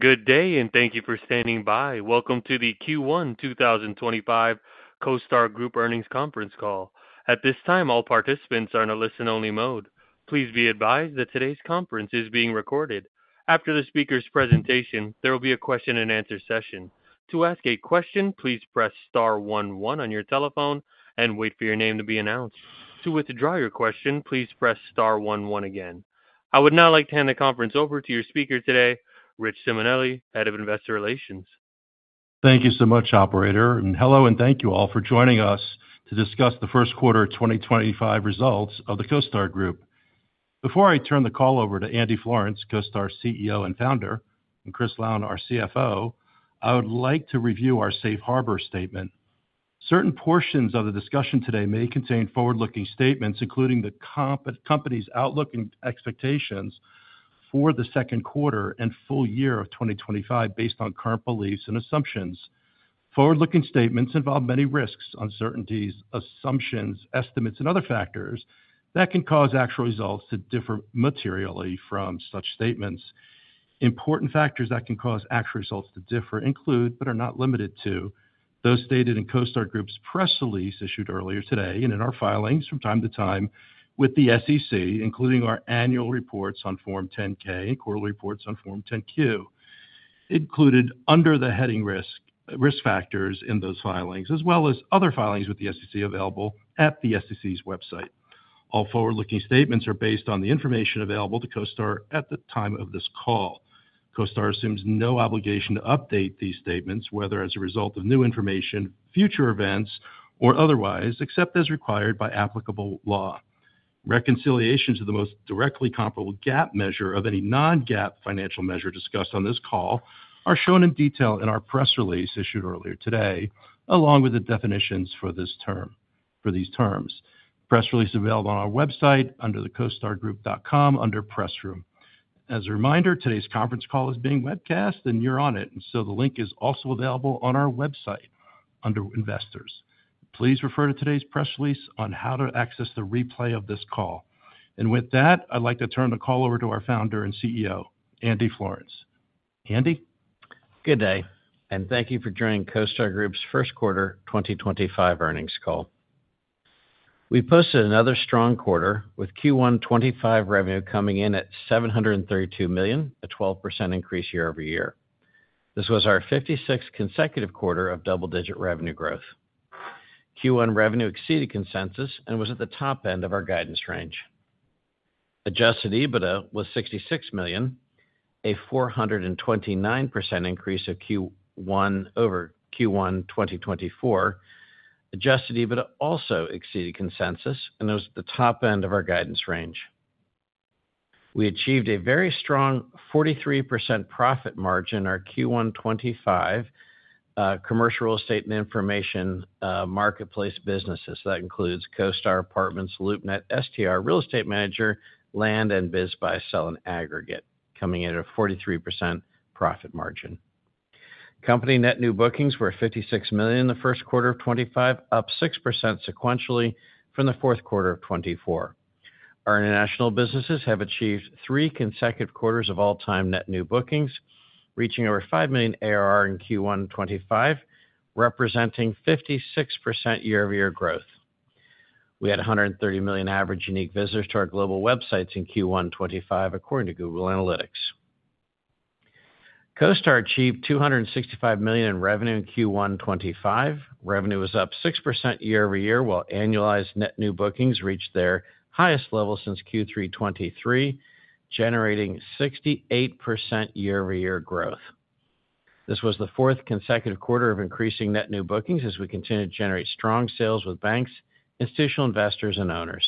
Good day, and thank you for standing by. Welcome to the Q1 2025 CoStar Group earnings conference call. At this time, all participants are in a listen-only mode. Please be advised that today's conference is being recorded. After the speaker's presentation, there will be a Q&A session. To ask a question, please press star one, one on your telephone and wait for your name to be announced. To withdraw your question, please press star one, one again. I would now like to hand the conference over to your speaker today, Rich Simonelli, Head of Investor Relations. Thank you so much, Operator. Hello, and thank you all for joining us to discuss the first quarter 2025 results of the CoStar Group. Before I turn the call over to Andy Florance, CoStar CEO and founder, and Chris Lown, our CFO, I would like to review our Safe Harbor statement. Certain portions of the discussion today may contain forward-looking statements, including the company's outlook and expectations for the second quarter and full year of 2025, based on current beliefs and assumptions. Forward-looking statements involve many risks, uncertainties, assumptions, estimates, and other factors that can cause actual results to differ materially from such statements. Important factors that can cause actual results to differ include, but are not limited to, those stated in CoStar Group's press release issued earlier today and in our filings from time to time with the SEC, including our annual reports on Form 10-K and quarterly reports on Form 10-Q, included under the heading risk factors in those filings, as well as other filings with the SEC available at the SEC's website. All forward-looking statements are based on the information available to CoStar at the time of this call. CoStar assumes no obligation to update these statements, whether as a result of new information, future events, or otherwise, except as required by applicable law. Reconciliations to the most directly comparable GAAP measure of any non-GAAP financial measure discussed on this call are shown in detail in our press release issued earlier today, along with the definitions for these terms. Press release available on our website under the costargroup.com under Press Room. As a reminder, today's conference call is being webcast, and you're on it, and so the link is also available on our website under Investors. Please refer to today's press release on how to access the replay of this call. With that, I'd like to turn the call over to our founder and CEO, Andy Florance. Andy? Good day, and thank you for joining CoStar Group's first quarter 2025 earnings call. We posted another strong quarter with Q1 2025 revenue coming in at $732 million, a 12% increase year-over-year. This was our 56th consecutive quarter of double-digit revenue growth. Q1 revenue exceeded consensus and was at the top end of our guidance range. Adjusted EBITDA was $66 million, a 429% increase of Q1 over Q1 2024. Adjusted EBITDA also exceeded consensus and was at the top end of our guidance range. We achieved a very strong 43% profit margin in our Q1 2025 commercial real estate and information marketplace businesses. That includes CoStar, Apartments.com, LoopNet, STR, Real Estate Manager, Land.com, and BizBuySell in aggregate, coming in at a 43% profit margin. Company net new bookings were $56 million in the first quarter of 2025, up 6% sequentially from the fourth quarter of 2024. Our international businesses have achieved three consecutive quarters of all-time net new bookings, reaching over $5 million ARR in Q1 2025, representing 56% year-over-year growth. We had 130 million average unique visitors to our global websites in Q1 2025, according to Google Analytics. CoStar achieved $265 million in revenue in Q1 2025. Revenue was up 6% year-over-year, while annualized net new bookings reached their highest level since Q3 2023, generating 68% year-over-year growth. This was the fourth consecutive quarter of increasing net new bookings as we continued to generate strong sales with banks, institutional investors, and owners.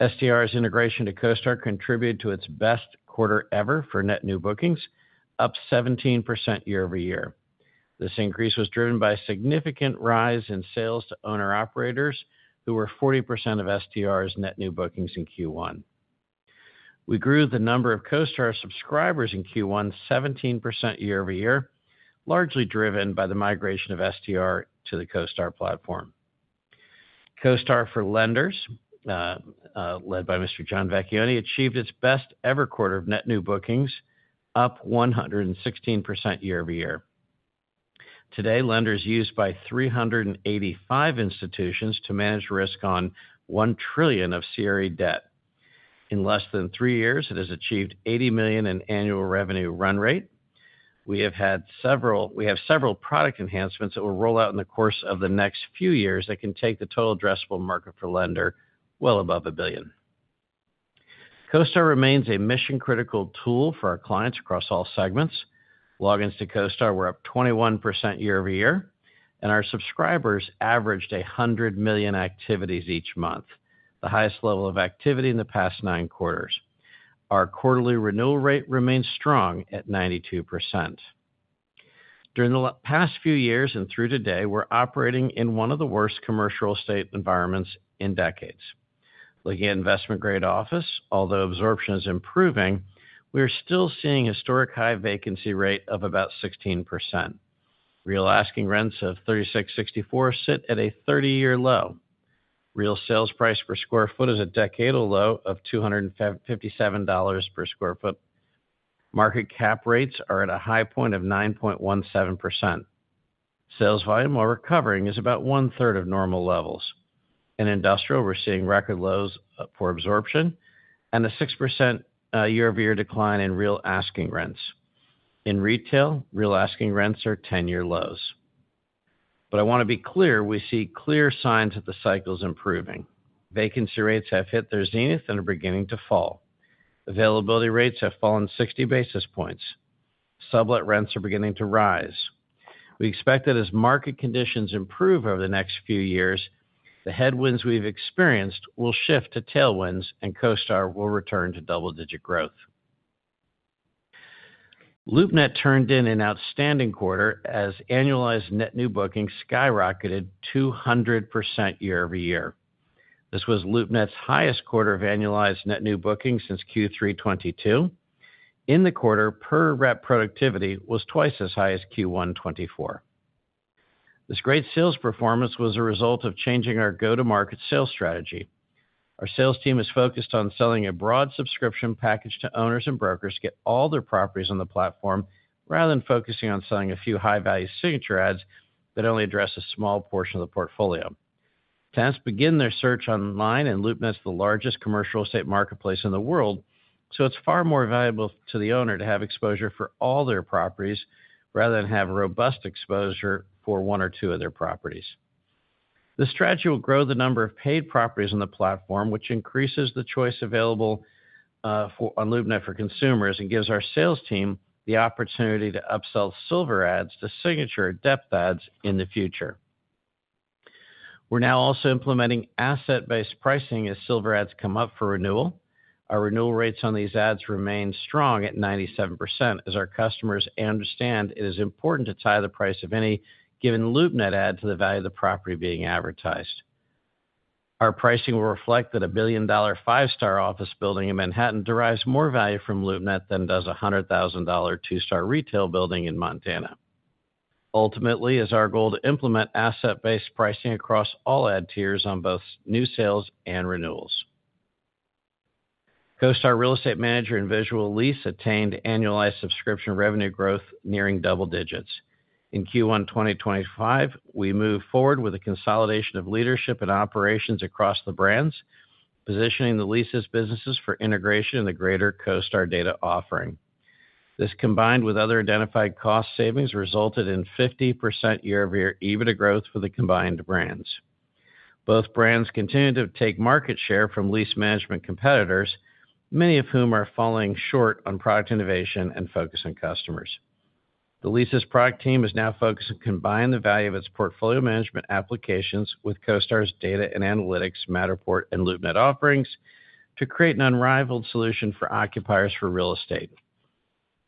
STR's integration to CoStar contributed to its best quarter ever for net new bookings, up 17% year-over-year. This increase was driven by a significant rise in sales to owner-operators, who were 40% of STR's net new bookings in Q1. We grew the number of CoStar subscribers in Q1 17% year-over-year, largely driven by the migration of STR to the CoStar platform. CoStar for Lenders, led by Mr. John Vecchione, achieved its best-ever quarter of net new bookings, up 116% year-over-year. Today, Lenders is used by 385 institutions to manage risk on $1 trillion of CRE debt. In less than three years, it has achieved $80 million in annual revenue run rate. We have several product enhancements that will roll out in the course of the next few years that can take the total addressable market for Lender well above a billion. CoStar remains a mission-critical tool for our clients across all segments. Logins to CoStar were up 21% year-over-year, and our subscribers averaged 100 million activities each month, the highest level of activity in the past nine quarters. Our quarterly renewal rate remains strong at 92%. During the past few years and through today, we're operating in one of the worst commercial real estate environments in decades. Looking at investment-grade office, although absorption is improving, we are still seeing a historic high vacancy rate of about 16%. Real asking rents of $3,664 sit at a 30-year low. Real sales price per sq ft is a decade-low of $257 per sq ft. Market cap rates are at a high point of 9.17%. Sales volume while recovering is about 1/3 of normal levels. In industrial, we're seeing record lows for absorption and a 6% year-over-year decline in real asking rents. In retail, real asking rents are 10-year lows. I want to be clear, we see clear signs that the cycle is improving. Vacancy rates have hit their zenith and are beginning to fall. Availability rates have fallen 60 basis points. Sublet rents are beginning to rise. We expect that as market conditions improve over the next few years, the headwinds we've experienced will shift to tailwinds, and CoStar will return to double-digit growth. LoopNet turned in an outstanding quarter as annualized net new bookings skyrocketed 200% year-over-year. This was LoopNet's highest quarter of annualized net new bookings since Q3 2022. In the quarter, per-rep productivity was twice as high as Q1 2024. This great sales performance was a result of changing our go-to-market sales strategy. Our sales team is focused on selling a broad subscription package to owners and brokers to get all their properties on the platform, rather than focusing on selling a few high-value signature ads that only address a small portion of the portfolio. Clients begin their search online, and LoopNet's the largest commercial real estate marketplace in the world, so it's far more valuable to the owner to have exposure for all their properties rather than have robust exposure for one or two of their properties. This strategy will grow the number of paid properties on the platform, which increases the choice available on LoopNet for consumers and gives our sales team the opportunity to upsell silver ads to signature or depth ads in the future. We're now also implementing asset-based pricing as silver ads come up for renewal. Our renewal rates on these ads remain strong at 97%, as our customers understand it is important to tie the price of any given LoopNet ad to the value of the property being advertised. Our pricing will reflect that a billion-dollar five-star office building in Manhattan derives more value from LoopNet than does a $100,000 two-star retail building in Montana. Ultimately, it is our goal to implement asset-based pricing across all ad tiers on both new sales and renewals. CoStar Real Estate Manager and Visual Lease attained annualized subscription revenue growth nearing double digits. In Q1 2025, we move forward with a consolidation of leadership and operations across the brands, positioning the leases businesses for integration in the greater CoStar data offering. This, combined with other identified cost savings, resulted in 50% year-over-year EBITDA growth for the combined brands. Both brands continue to take market share from lease management competitors, many of whom are falling short on product innovation and focus on customers. The leases product team is now focused on combining the value of its portfolio management applications with CoStar's data and analytics, Matterport, and LoopNet offerings to create an unrivaled solution for occupiers for real estate.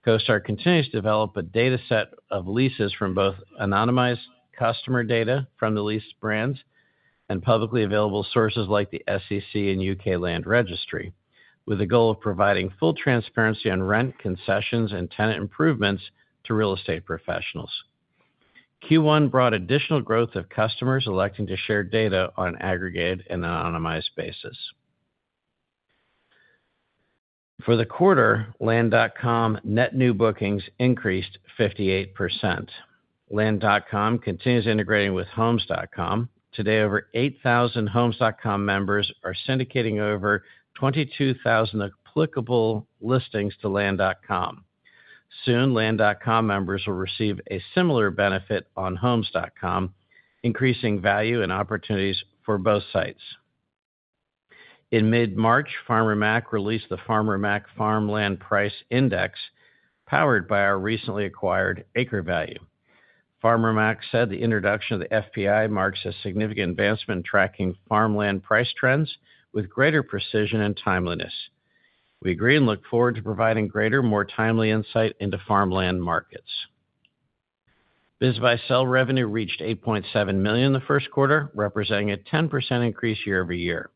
CoStar continues to develop a data set of leases from both anonymized customer data from the leased brands and publicly available sources like the SEC and UK Land Registry, with the goal of providing full transparency on rent, concessions, and tenant improvements to real estate professionals. Q1 brought additional growth of customers electing to share data on an aggregated and anonymized basis. For the quarter, Land.com net new bookings increased 58%. Land.com continues integrating with Homes.com. Today, over 8,000 Homes.com members are syndicating over 22,000 applicable listings to Land.com. Soon, Land.com members will receive a similar benefit on Homes.com, increasing value and opportunities for both sites. In mid-March, Farmer Mac released the Farmer Mac Farmland Price Index, powered by our recently acquired AcreValue. Farmer Mac said the introduction of the FPI marks a significant advancement in tracking farmland price trends with greater precision and timeliness. We agree and look forward to providing greater, more timely insight into farmland markets. BizBuySell revenue reached $8.7 million in the first quarter, representing a 10% increase year-over-year.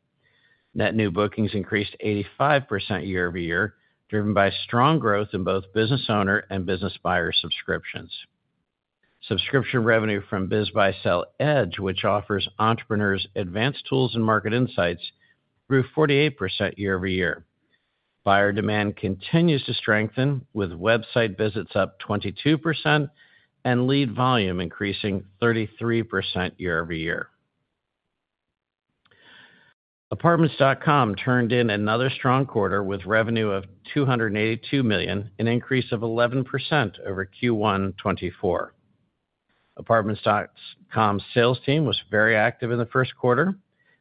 Net new bookings increased 85% year-over-year, driven by strong growth in both business owner and business buyer subscriptions. Subscription revenue from BizBuySell Edge, which offers entrepreneurs advanced tools and market insights, grew 48% year-over-year. Buyer demand continues to strengthen, with website visits up 22% and lead volume increasing 33% year-over-year. Apartments.com turned in another strong quarter with revenue of $282 million, an increase of 11% over Q1 2024. Apartments.com's sales team was very active in the first quarter.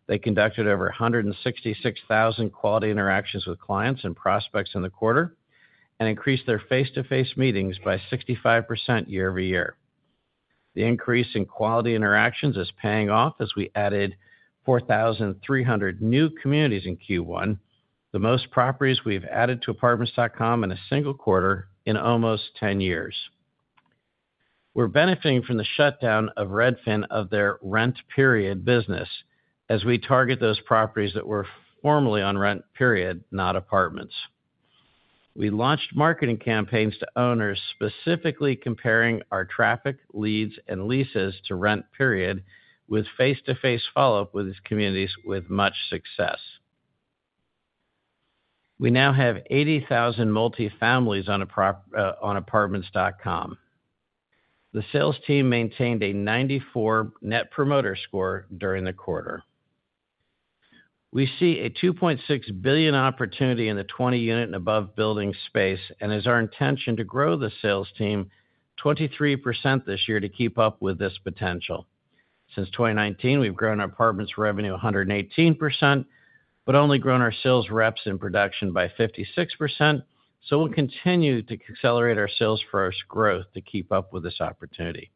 They conducted over 166,000 quality interactions with clients and prospects in the quarter and increased their face-to-face meetings by 65% year-over-year. The increase in quality interactions is paying off as we added 4,300 new communities in Q1, the most properties we've added to Apartments.com in a single quarter in almost 10 years. We're benefiting from the shutdown of Redfin of their Rent. business as we target those properties that were formerly on Rent., not Apartments. We launched marketing campaigns to owners, specifically comparing our traffic, leads, and leases to Rent. with face-to-face follow-up with these communities with much success. We now have 80,000 multifamilies on Apartments.com. The sales team maintained a 94 net promoter score during the quarter. We see a $2.6 billion opportunity in the 20-unit and above building space, and it is our intention to grow the sales team 23% this year to keep up with this potential. Since 2019, we've grown our Apartments.com revenue 118%, but only grown our sales reps in production by 56%, so we'll continue to accelerate our sales force growth to keep up with this opportunity.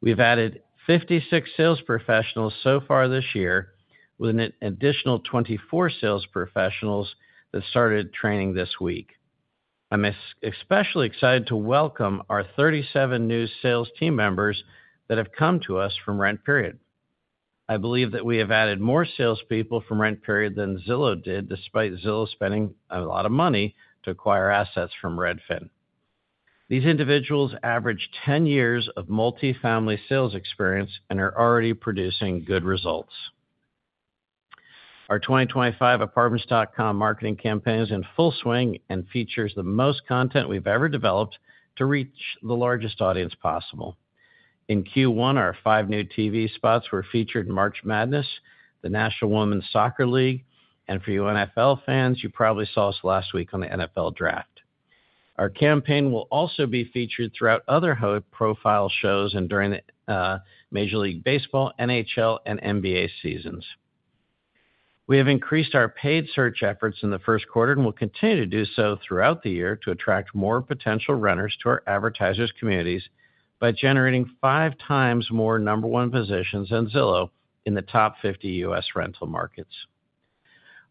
We've added 56 sales professionals so far this year, with an additional 24 sales professionals that started training this week. I'm especially excited to welcome our 37 new sales team members that have come to us from Rent.. I believe that we have added more salespeople from Rent. than Zillow did, despite Zillow spending a lot of money to acquire assets from Redfin. These individuals average 10 years of multifamily sales experience and are already producing good results. Our 2025 Apartments.com marketing campaign is in full swing and features the most content we've ever developed to reach the largest audience possible. In Q1, our five new TV spots were featured in March Madness, the National Women's Soccer League, and for NFL fans, you probably saw us last week on the NFL Draft. Our campaign will also be featured throughout other high-profile shows and during the Major League Baseball, NHL, and NBA seasons. We have increased our paid search efforts in the first quarter and will continue to do so throughout the year to attract more potential renters to our advertisers' communities by generating five times more number-one positions than Zillow in the top 50 U.S. rental markets.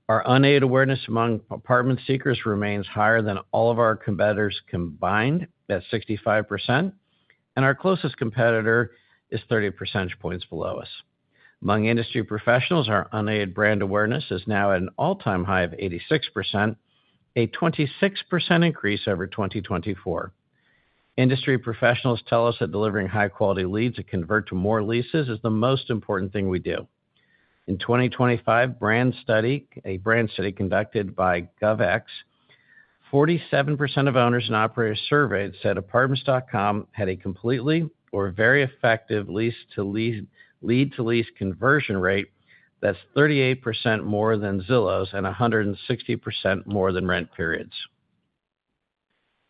Our unaid awareness among apartment seekers remains higher than all of our competitors combined at 65%, and our closest competitor is 30 percentage points below us. Among industry professionals, our unaid brand awareness is now at an all-time high of 86%, a 26% increase over 2024. Industry professionals tell us that delivering high-quality leads that convert to more leases is the most important thing we do. In 2025, a brand study conducted by GovX, 47% of owners and operators surveyed said Apartments.com had a completely or very effective lead-to-lease conversion rate. That's 38% more than Zillow's and 160% more than Rent.'s.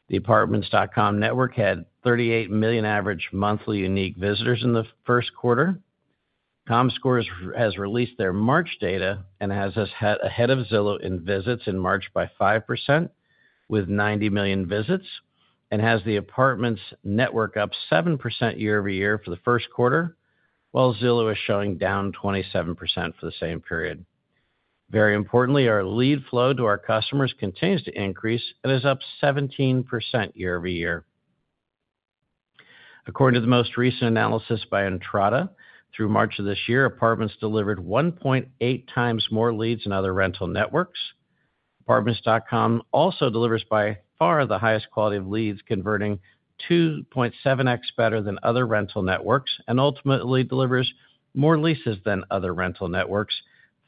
The Apartments.com network had 38 million average monthly unique visitors in the first quarter. Comscore has released their March data and has us ahead of Zillow in visits in March by 5%, with 90 million visits, and has the Apartments.com network up 7% year-over-year for the first quarter, while Zillow is showing down 27% for the same period. Very importantly, our lead flow to our customers continues to increase and is up 17% year-over-year. According to the most recent analysis by Entrata, through March of this year, Apartments.com delivered 1.8 times more leads than other rental networks. Apartments.com also delivers by far the highest quality of leads, converting 2.7x better than other rental networks, and ultimately delivers more leases than other rental networks,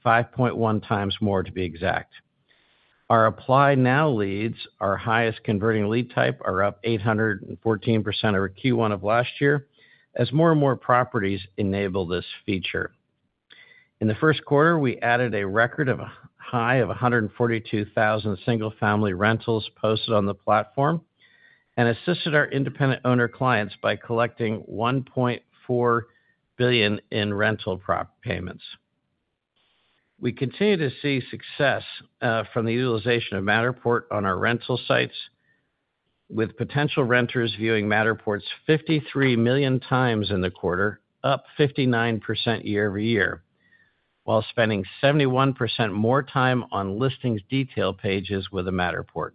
5.1 times more to be exact. Our Apply Now leads, our highest converting lead type, are up 814% over Q1 of last year as more and more properties enable this feature. In the first quarter, we added a record high of 142,000 single-family rentals posted on the platform and assisted our independent owner clients by collecting $1.4 billion in rental prop payments. We continue to see success from the utilization of Matterport on our rental sites, with potential renters viewing Matterport's 53 million times in the quarter, up 59% year-over-year, while spending 71% more time on listings detail pages with a Matterport.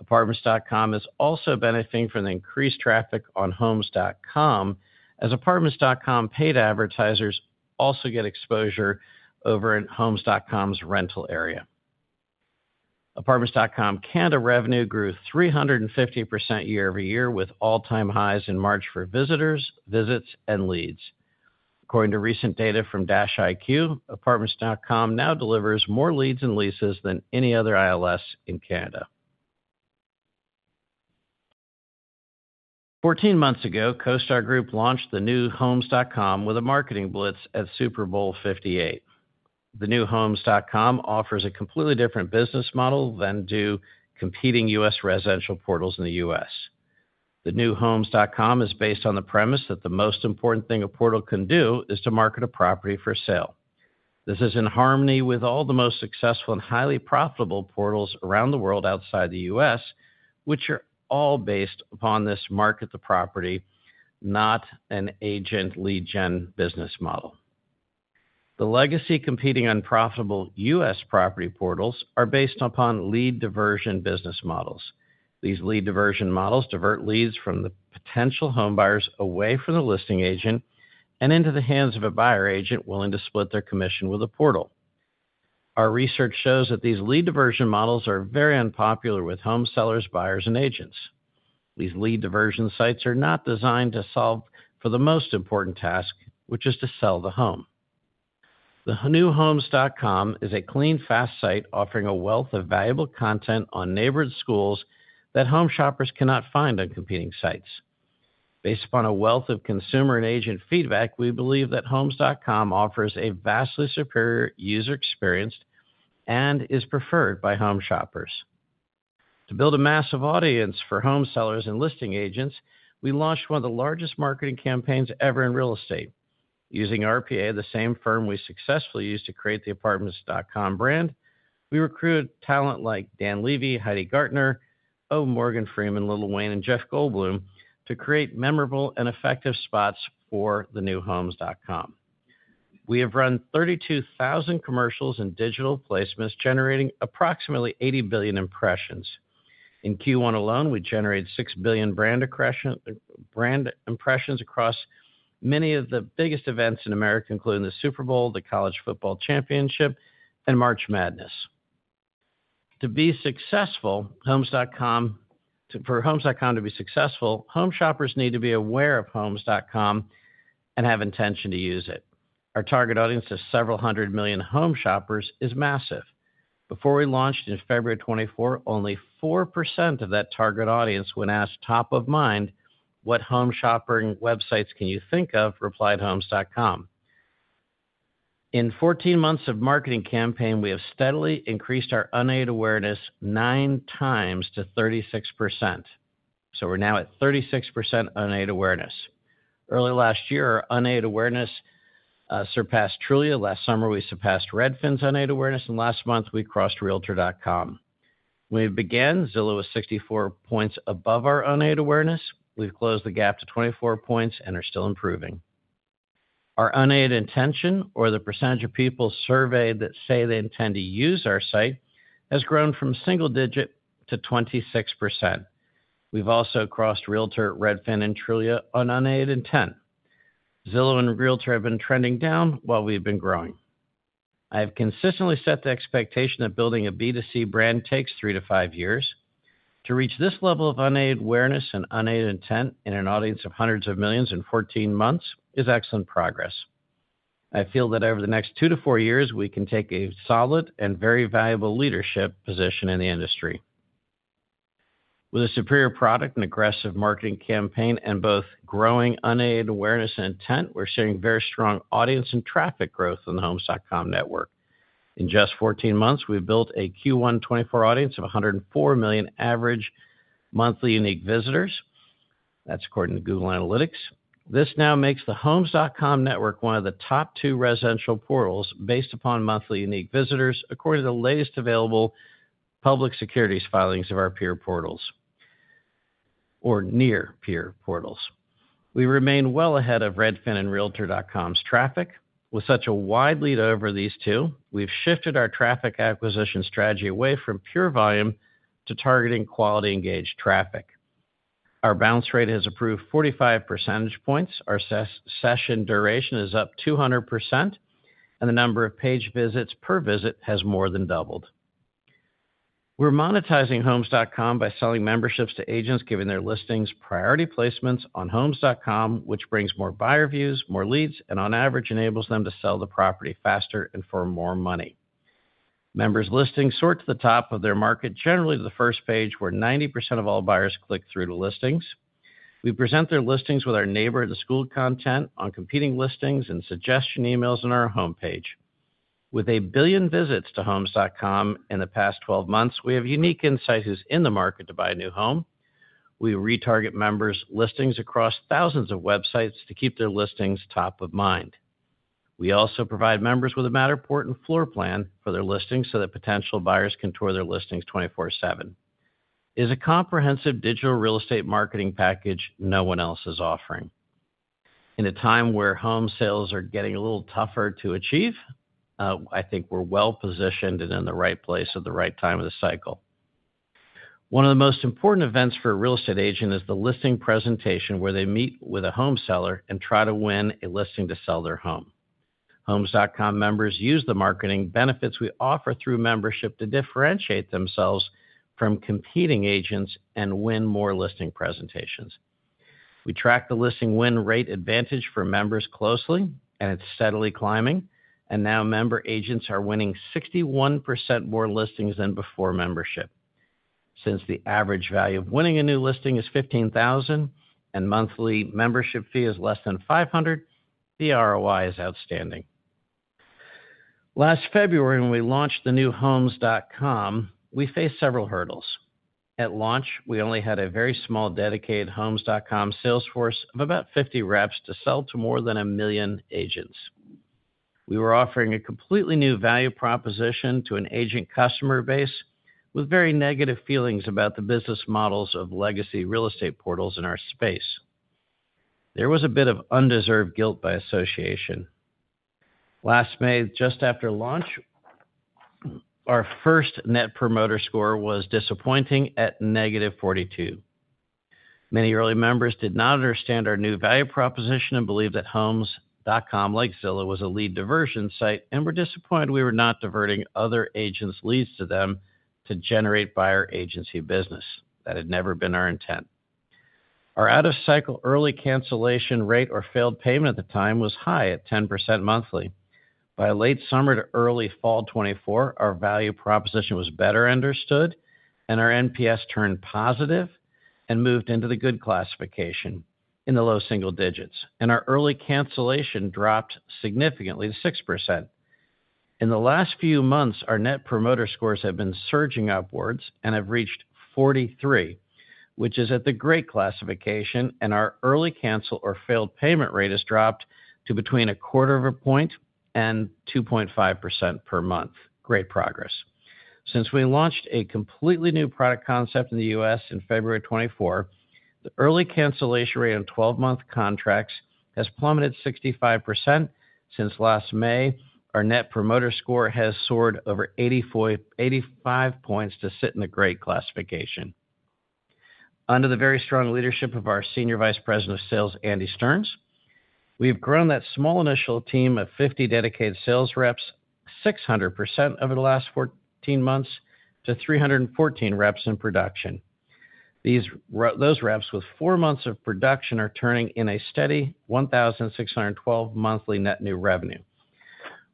Apartments.com is also benefiting from the increased traffic on Homes.com as Apartments.com paid advertisers also get exposure over in Homes.com's rental area. Apartments.com Canada revenue grew 350% year-over-year, with all-time highs in March for visitors, visits, and leads. According to recent data from DashIQ, Apartments.com now delivers more leads and leases than any other ILS in Canada. Fourteen months ago, CoStar Group launched the new Homes.com with a marketing blitz at Super Bowl LVIII. The new Homes.com offers a completely different business model than do competing U.S. residential portals in the U.S. The new Homes.com is based on the premise that the most important thing a portal can do is to market a property for sale. This is in harmony with all the most successful and highly profitable portals around the world outside the U.S., which are all based upon this market the property, not an agent lead-gen business model. The legacy competing unprofitable U.S. property portals are based upon lead diversion business models. These lead diversion models divert leads from the potential homebuyers away from the listing agent and into the hands of a buyer agent willing to split their commission with a portal. Our research shows that these lead diversion models are very unpopular with home sellers, buyers, and agents. These lead diversion sites are not designed to solve for the most important task, which is to sell the home The new Homes.com is a clean, fast site offering a wealth of valuable content on neighborhood schools that home shoppers cannot find on competing sites. Based upon a wealth of consumer and agent feedback, we believe that Homes.com offers a vastly superior user experience and is preferred by home shoppers. To build a massive audience for home sellers and listing agents, we launched one of the largest marketing campaigns ever in real estate. Using RPA, the same firm we successfully used to create the Apartments.com brand, we recruited talent like Dan Levy, Heidi Gardner, Morgan Freeman, Lil Wayne, and Jeff Goldblum to create memorable and effective spots for the new Homes.com. We have run 32,000 commercials and digital placements, generating approximately 80 billion impressions. In Q1 alone, we generated 6 billion brand impressions across many of the biggest events in America, including the Super Bowl, the College Football Championship, and March Madness. To be successful, for Homes.com to be successful, home shoppers need to be aware of Homes.com and have intention to use it. Our target audience of several hundred million home shoppers is massive. Before we launched in February 2024, only 4% of that target audience when asked top of mind, "What home shopping websites can you think of?" replied Homes.com. In 14 months of marketing campaign, we have steadily increased our unaid awareness nine times to 36%. We are now at 36% unaid awareness. Early last year, our unaid awareness surpassed Trulia. Last summer, we surpassed Redfin's unaid awareness, and last month, we crossed Realtor.com. When we began, Zillow was 64 points above our unaid awareness. We've closed the gap to 24 points and are still improving. Our unaid intention, or the percentage of people surveyed that say they intend to use our site, has grown from single digit to 26%. We've also crossed Realtor, Redfin, and Trulia on unaid intent. Zillow and Realtor have been trending down while we've been growing. I have consistently set the expectation that building a B2C brand takes three to five years. To reach this level of unaid awareness and unaid intent in an audience of hundreds of millions in 14 months is excellent progress. I feel that over the next two to four years, we can take a solid and very valuable leadership position in the industry. With a superior product and aggressive marketing campaign and both growing unaid awareness and intent, we're seeing very strong audience and traffic growth in the Homes.com network. In just 14 months, we've built a Q1 2024 audience of 104 million average monthly unique visitors. That's according to Google Analytics. This now makes the Homes.com network one of the top two residential portals based upon monthly unique visitors, according to the latest available public securities filings of our peer portals, or near peer portals. We remain well ahead of Redfin and Realtor.com's traffic. With such a wide lead over these two, we've shifted our traffic acquisition strategy away from pure volume to targeting quality engaged traffic. Our bounce rate has improved 45 percentage points. Our session duration is up 200%, and the number of page visits per visit has more than doubled. We're monetizing Homes.com by selling memberships to agents giving their listings priority placements on Homes.com, which brings more buyer views, more leads, and on average enables them to sell the property faster and for more money. Members' listings sort to the top of their market, generally to the first page, where 90% of all buyers click through to listings. We present their listings with our neighborhood school content on competing listings and suggestion emails on our homepage. With a billion visits to Homes.com in the past 12 months, we have unique insights in the market to buy a new home. We retarget members' listings across thousands of websites to keep their listings top of mind. We also provide members with a Matterport and floor plan for their listings so that potential buyers can tour their listings 24/7. It is a comprehensive digital real estate marketing package no one else is offering. In a time where home sales are getting a little tougher to achieve, I think we're well positioned and in the right place at the right time of the cycle. One of the most important events for a real estate agent is the listing presentation where they meet with a home seller and try to win a listing to sell their home. Homes.com members use the marketing benefits we offer through membership to differentiate themselves from competing agents and win more listing presentations. We track the listing win rate advantage for members closely, and it's steadily climbing. Now member agents are winning 61% more listings than before membership. Since the average value of winning a new listing is $15,000 and monthly membership fee is less than $500, the ROI is outstanding. Last February, when we launched the new Homes.com, we faced several hurdles. At launch, we only had a very small dedicated Homes.com sales force of about 50 reps to sell to more than a million agents. We were offering a completely new value proposition to an agent customer base with very negative feelings about the business models of legacy real estate portals in our space. There was a bit of undeserved guilt by association. Last May, just after launch, our first net promoter score was disappointing at -42. Many early members did not understand our new value proposition and believed that Homes.com, like Zillow, was a lead diversion site and were disappointed we were not diverting other agents' leads to them to generate buyer agency business. That had never been our intent. Our out-of-cycle early cancellation rate or failed payment at the time was high at 10% monthly. By late summer to early fall 2024, our value proposition was better understood and our NPS turned positive and moved into the good classification in the low single digits. Our early cancellation dropped significantly to 6%. In the last few months, our net promoter scores have been surging upwards and have reached 43, which is at the great classification, and our early cancel or failed payment rate has dropped to between .25% and 2.5% per month. Great progress. Since we launched a completely new product concept in the U.S. in February 2024, the early cancellation rate on 12-month contracts has plummeted 65% since last May. Our net promoter score has soared over 85 points to sit in the great classification. Under the very strong leadership of our Senior Vice President of Sales, Andy Stearns, we have grown that small initial team of 50 dedicated sales reps, 600% over the last 14 months to 314 reps in production. Those reps with four months of production are turning in a steady $1,612 monthly net new revenue,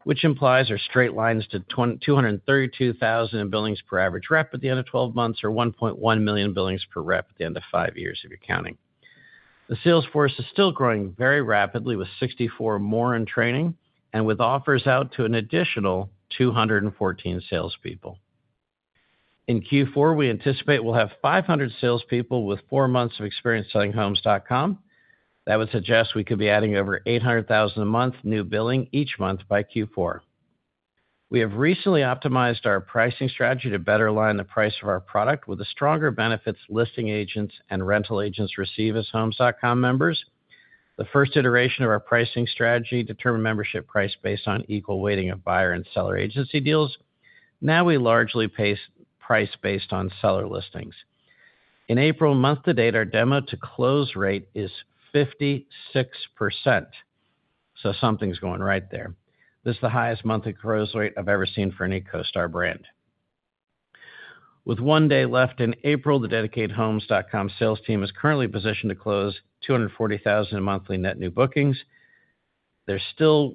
which implies our straight lines to $232,000 billings per average rep at the end of 12 months or $1.1 million billings per rep at the end of five years if you're counting. The sales force is still growing very rapidly with 64 more in training and with offers out to an additional 214 salespeople. In Q4, we anticipate we'll have 500 salespeople with four months of experience selling Homes.com. That would suggest we could be adding over $800,000 a month new billing each month by Q4. We have recently optimized our pricing strategy to better align the price of our product with the stronger benefits listing agents and rental agents receive as Homes.com members. The first iteration of our pricing strategy determined membership price based on equal weighting of buyer and seller agency deals. Now we largely pay price based on seller listings. In April month to date, our demo to close rate is 56%. Something's going right there. This is the highest monthly close rate I've ever seen for any CoStar brand. With one day left in April, the dedicated Homes.com sales team is currently positioned to close 240,000 monthly net new bookings. They're still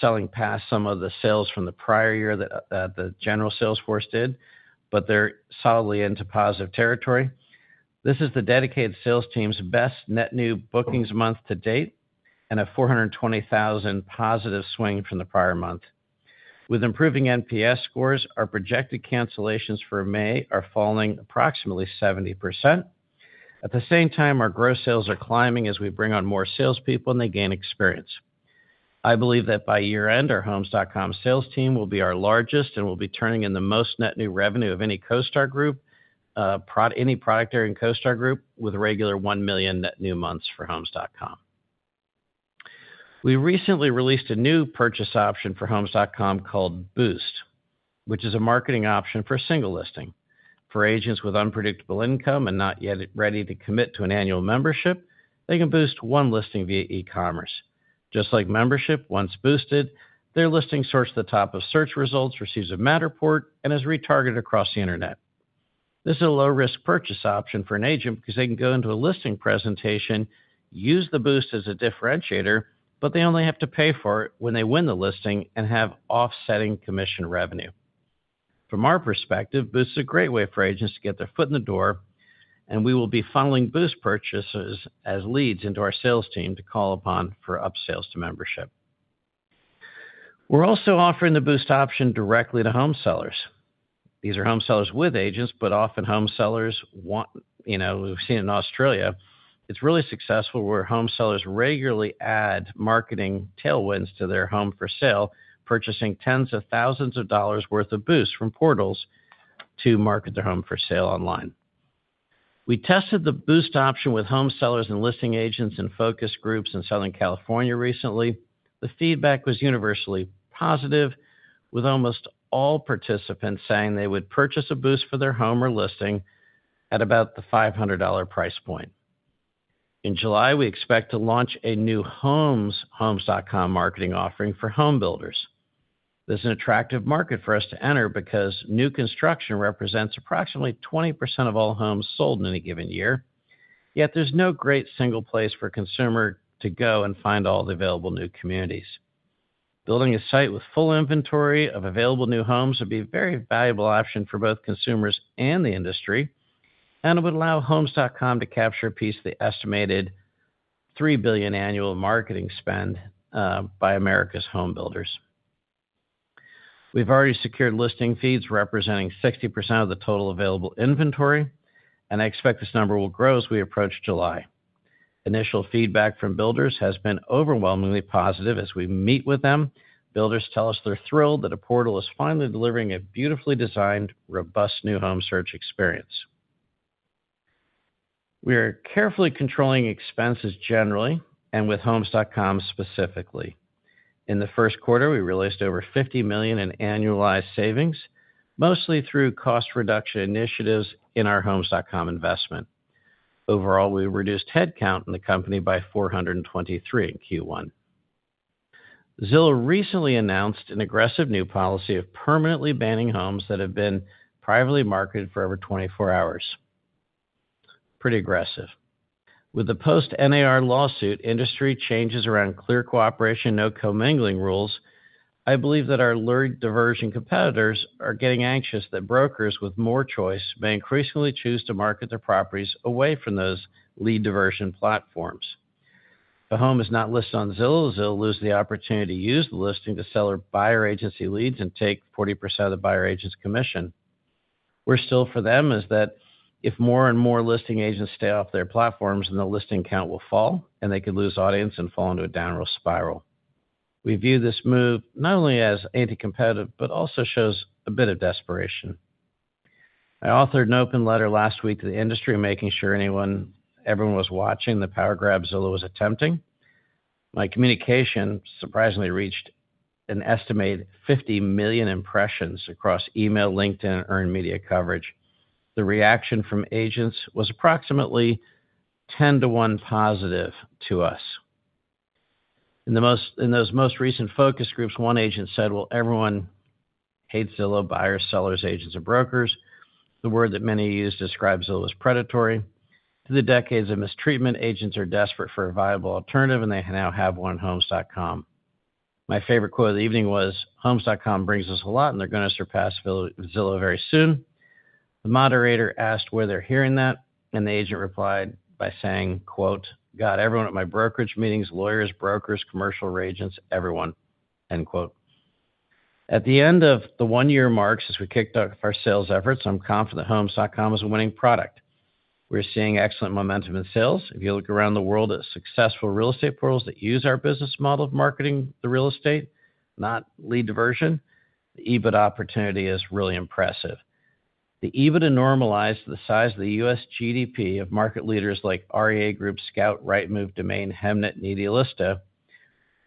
selling past some of the sales from the prior year that the general sales force did, but they're solidly into positive territory. This is the dedicated sales team's best net new bookings month to date and a 420,000 positive swing from the prior month. With improving NPS scores, our projected cancellations for May are falling approximately 70%. At the same time, our gross sales are climbing as we bring on more salespeople and they gain experience. I believe that by year-end, our Homes.com sales team will be our largest and will be turning in the most net new revenue of any CoStar Group, any product area in CoStar Group with regular $1 million net new months for Homes.com. We recently released a new purchase option for Homes.com called Boost, which is a marketing option for single listing. For agents with unpredictable income and not yet ready to commit to an annual membership, they can boost one listing via e-commerce. Just like membership, once boosted, their listing sorts to the top of search results, receives a Matterport, and is retargeted across the internet. This is a low-risk purchase option for an agent because they can go into a listing presentation, use the Boost as a differentiator, but they only have to pay for it when they win the listing and have offsetting commission revenue. From our perspective, Boost is a great way for agents to get their foot in the door, and we will be funneling Boost purchases as leads into our sales team to call upon for upsales to membership. We're also offering the Boost option directly to home sellers. These are home sellers with agents, but often home sellers want, you know, we've seen in Australia, it's really successful where home sellers regularly add marketing tailwinds to their home for sale, purchasing tens of thousands of dollars' worth of Boost from portals to market their home for sale online. We tested the Boost option with home sellers and listing agents in focus groups in Southern California recently. The feedback was universally positive, with almost all participants saying they would purchase a Boost for their home or listing at about the $500 price point. In July, we expect to launch a new Homes.com marketing offering for homebuilders. This is an attractive market for us to enter because new construction represents approximately 20% of all homes sold in any given year. Yet there is no great single place for consumers to go and find all the available new communities. Building a site with full inventory of available new homes would be a very valuable option for both consumers and the industry, and it would allow Homes.com to capture a piece of the estimated $3 billion annual marketing spend by America's homebuilders. We've already secured listing feeds representing 60% of the total available inventory, and I expect this number will grow as we approach July. Initial feedback from builders has been overwhelmingly positive as we meet with them. Builders tell us they're thrilled that a portal is finally delivering a beautifully designed, robust new home search experience. We are carefully controlling expenses generally and with Homes.com specifically. In the first quarter, we released over $50 million in annualized savings, mostly through cost reduction initiatives in our Homes.com investment. Overall, we reduced headcount in the company by 423 in Q1. Zillow recently announced an aggressive new policy of permanently banning homes that have been privately marketed for over 24 hours. Pretty aggressive. With the post-NAR lawsuit, industry changes around Clear Cooperation, no commingling rules. I believe that our lead diversion competitors are getting anxious that brokers with more choice may increasingly choose to market their properties away from those lead diversion platforms. If a home is not listed on Zillow, Zillow loses the opportunity to use the listing to sell or buyer agency leads and take 40% of the buyer agent's commission. Worse still for them is that if more and more listing agents stay off their platforms, then the listing count will fall and they could lose audience and fall into a downward spiral. We view this move not only as anti-competitive, but also shows a bit of desperation. I authored an open letter last week to the industry making sure everyone was watching the power grab Zillow was attempting. My communication surprisingly reached an estimated 50 million impressions across email, LinkedIn, and earned media coverage. The reaction from agents was approximately 10 to 1 positive to us. In those most recent focus groups, one agent said, "Well, everyone hates Zillow, buyers, sellers, agents, and brokers." The word that many use describes Zillow as predatory. Through the decades of mistreatment, agents are desperate for a viable alternative, and they now have one Homes.com. My favorite quote of the evening was, "Homes.com brings us a lot, and they're going to surpass Zillow very soon." The moderator asked where they're hearing that, and the agent replied by saying, "Got everyone at my brokerage meetings, lawyers, brokers, commercial agents, everyone." At the end of the one-year marks, as we kicked off our sales efforts, I'm confident that Homes.com is a winning product. We're seeing excellent momentum in sales. If you look around the world at successful real estate portals that use our business model of marketing the real estate, not lead diversion, the EBIT opportunity is really impressive. The EBIT to normalize the size of the U.S. GDP of market leaders like REA Group, Scout, Rightmove, Domain, Hemnet, and Idealista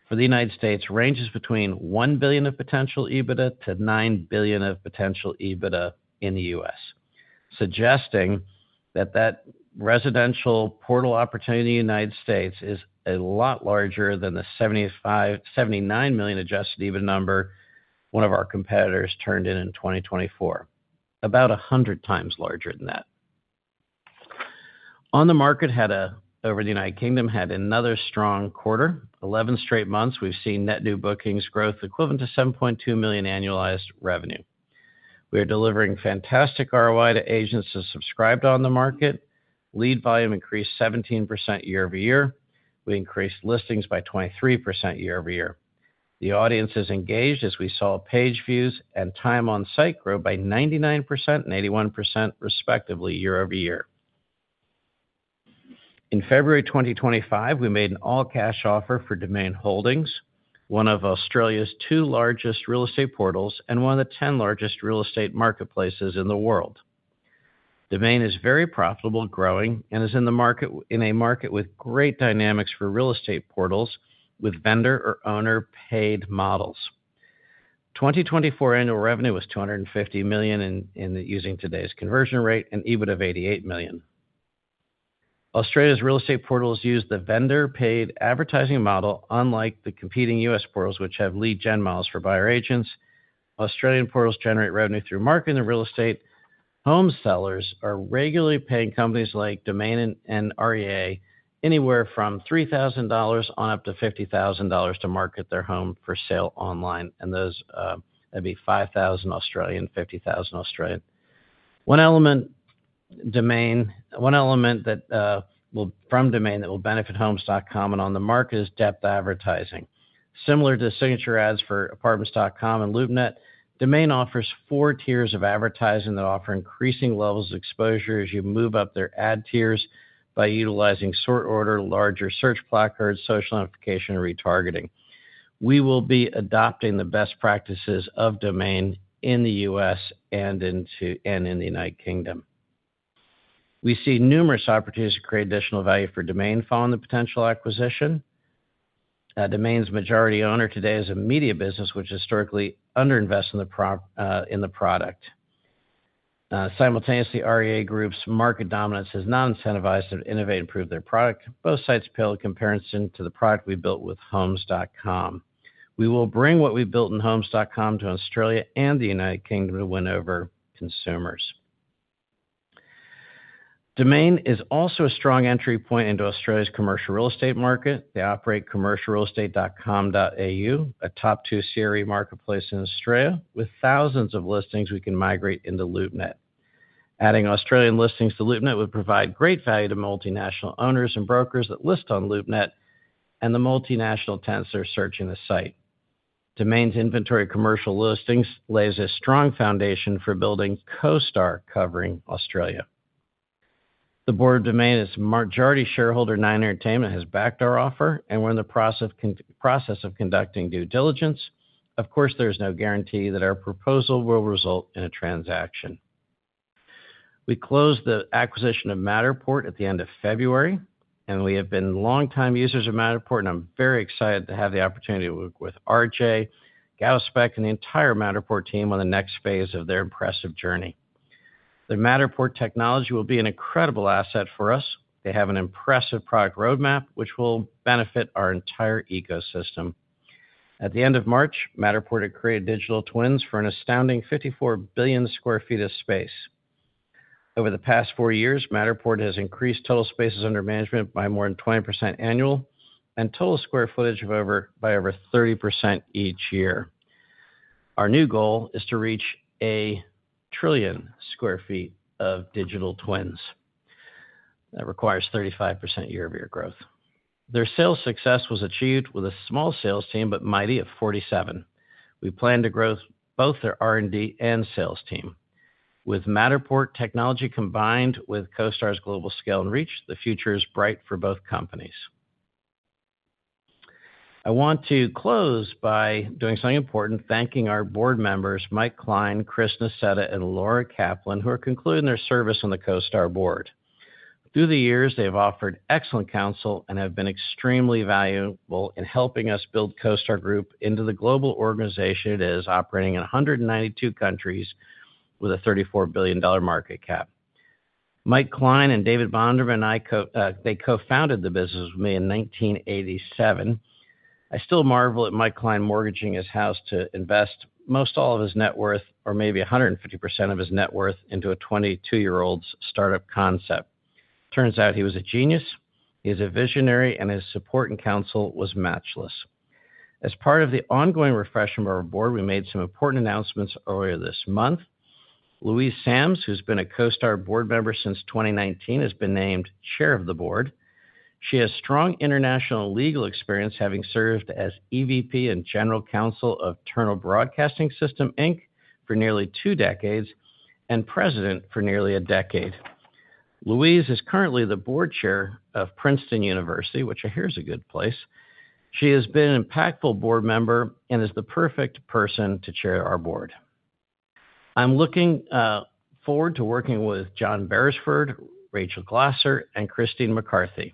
for the United States ranges between $1 billion of potential EBITDA to $9 billion of potential EBITDA in the U.S., suggesting that that residential portal opportunity in the United States is a lot larger than the $79 million adjusted EBIT number one of our competitors turned in in 2024, about 100x larger than that. OnTheMarket, over the United Kingdom, had another strong quarter. Eleven straight months, we've seen net new bookings growth equivalent to $7.2 million annualized revenue. We are delivering fantastic ROI to agents who subscribed OnTheMarket. Lead volume increased 17% year-over-year. We increased listings by 23% year-over-year. The audience is engaged as we saw page views and time on site grow by 99% and 81% respectively year-over-year. In February 2025, we made an all-cash offer for Domain Holdings, one of Australia's two largest real estate portals and one of the 10 largest real estate marketplaces in the world. Domain is very profitable, growing, and is in a market with great dynamics for real estate portals with vendor or owner-paid models. 2024 annual revenue was 250 million using today's conversion rate and EBIT of 88 million. Australia's real estate portals use the vendor-paid advertising model, unlike the competing U.S. portals, which have lead gen models for buyer agents. Australian portals generate revenue through marketing the real estate. Home sellers are regularly paying companies like Domain and REA anywhere from 3,000 dollars on up to 50,000 dollars to market their home for sale online, and those would be 5,000 and 50,000. One element from Domain that will benefit Homes.com and OnTheMarket is depth advertising. Similar to signature ads for Apartments.com and LoopNet, Domain offers four tiers of advertising that offer increasing levels of exposure as you move up their ad tiers by utilizing sort order, larger search placards, social notification, and retargeting. We will be adopting the best practices of Domain in the U.S. and in the United Kingdom. We see numerous opportunities to create additional value for Domain following the potential acquisition. Domain's majority owner today is a media business, which historically underinvests in the product. Simultaneously, REA Group's market dominance has not incentivized them to innovate and improve their product. Both sites pale in comparison to the product we built with Homes.com. We will bring what we built in Homes.com to Australia and the United Kingdom to win over consumers. Domain is also a strong entry point into Australia's commercial real estate market. They operate CommercialRealEstate.com.au, a top-tier CRE marketplace in Australia with thousands of listings we can migrate into Loopnet. Adding Australian listings to Loopnet would provide great value to multinational owners and brokers that list on Loopnet and the multinational attempts that are searching the site. Domain's inventory commercial listings lays a strong foundation for building CoStar covering Australia. The board of Domain is majority shareholder Nine Entertainment has backed our offer and we're in the process of conducting due diligence. Of course, there is no guarantee that our proposal will result in a transaction. We closed the acquisition of Matterport at the end of February, and we have been long-time users of Matterport, and I'm very excited to have the opportunity to work with RJ, Gowspec, and the entire Matterport team on the next phase of their impressive journey. The Matterport technology will be an incredible asset for us. They have an impressive product roadmap, which will benefit our entire ecosystem. At the end of March, Matterport had created digital twins for an astounding 54 billion sq ft of space. Over the past four years, Matterport has increased total spaces under management by more than 20% annual and total square footage by over 30% each year. Our new goal is to reach 1 trillion sq ft of digital twins. That requires 35% year-over-year growth. Their sales success was achieved with a small sales team, but mighty at 47. We plan to grow both their R&D and sales team. With Matterport technology combined with CoStar's global scale and reach, the future is bright for both companies. I want to close by doing something important, thanking our board members, Mike Klein, Chris Nassetta, and Laura Kaplan, who are concluding their service on the CoStar board. Through the years, they have offered excellent counsel and have been extremely valuable in helping us build CoStar Group into the global organization it is, operating in 192 countries with a $34 billion market cap. Mike Klein and David Bonderman, they co-founded the business with me in 1987. I still marvel at Mike Klein mortgaging his house to invest most all of his net worth, or maybe 150% of his net worth, into a 22-year-old's startup concept. Turns out he was a genius, he is a visionary, and his support and counsel was matchless. As part of the ongoing refreshment of our board, we made some important announcements earlier this month. Louise Sams, who's been a CoStar board member since 2019, has been named chair of the board. She has strong international legal experience, having served as EVP and general counsel of Turner Broadcasting System, Inc for nearly two decades and president for nearly a decade. Louise is currently the board chair of Princeton University, which I hear is a good place. She has been an impactful board member and is the perfect person to chair our board. I'm looking forward to working with John Beresford, Rachel Glaser, and Christine McCarthy.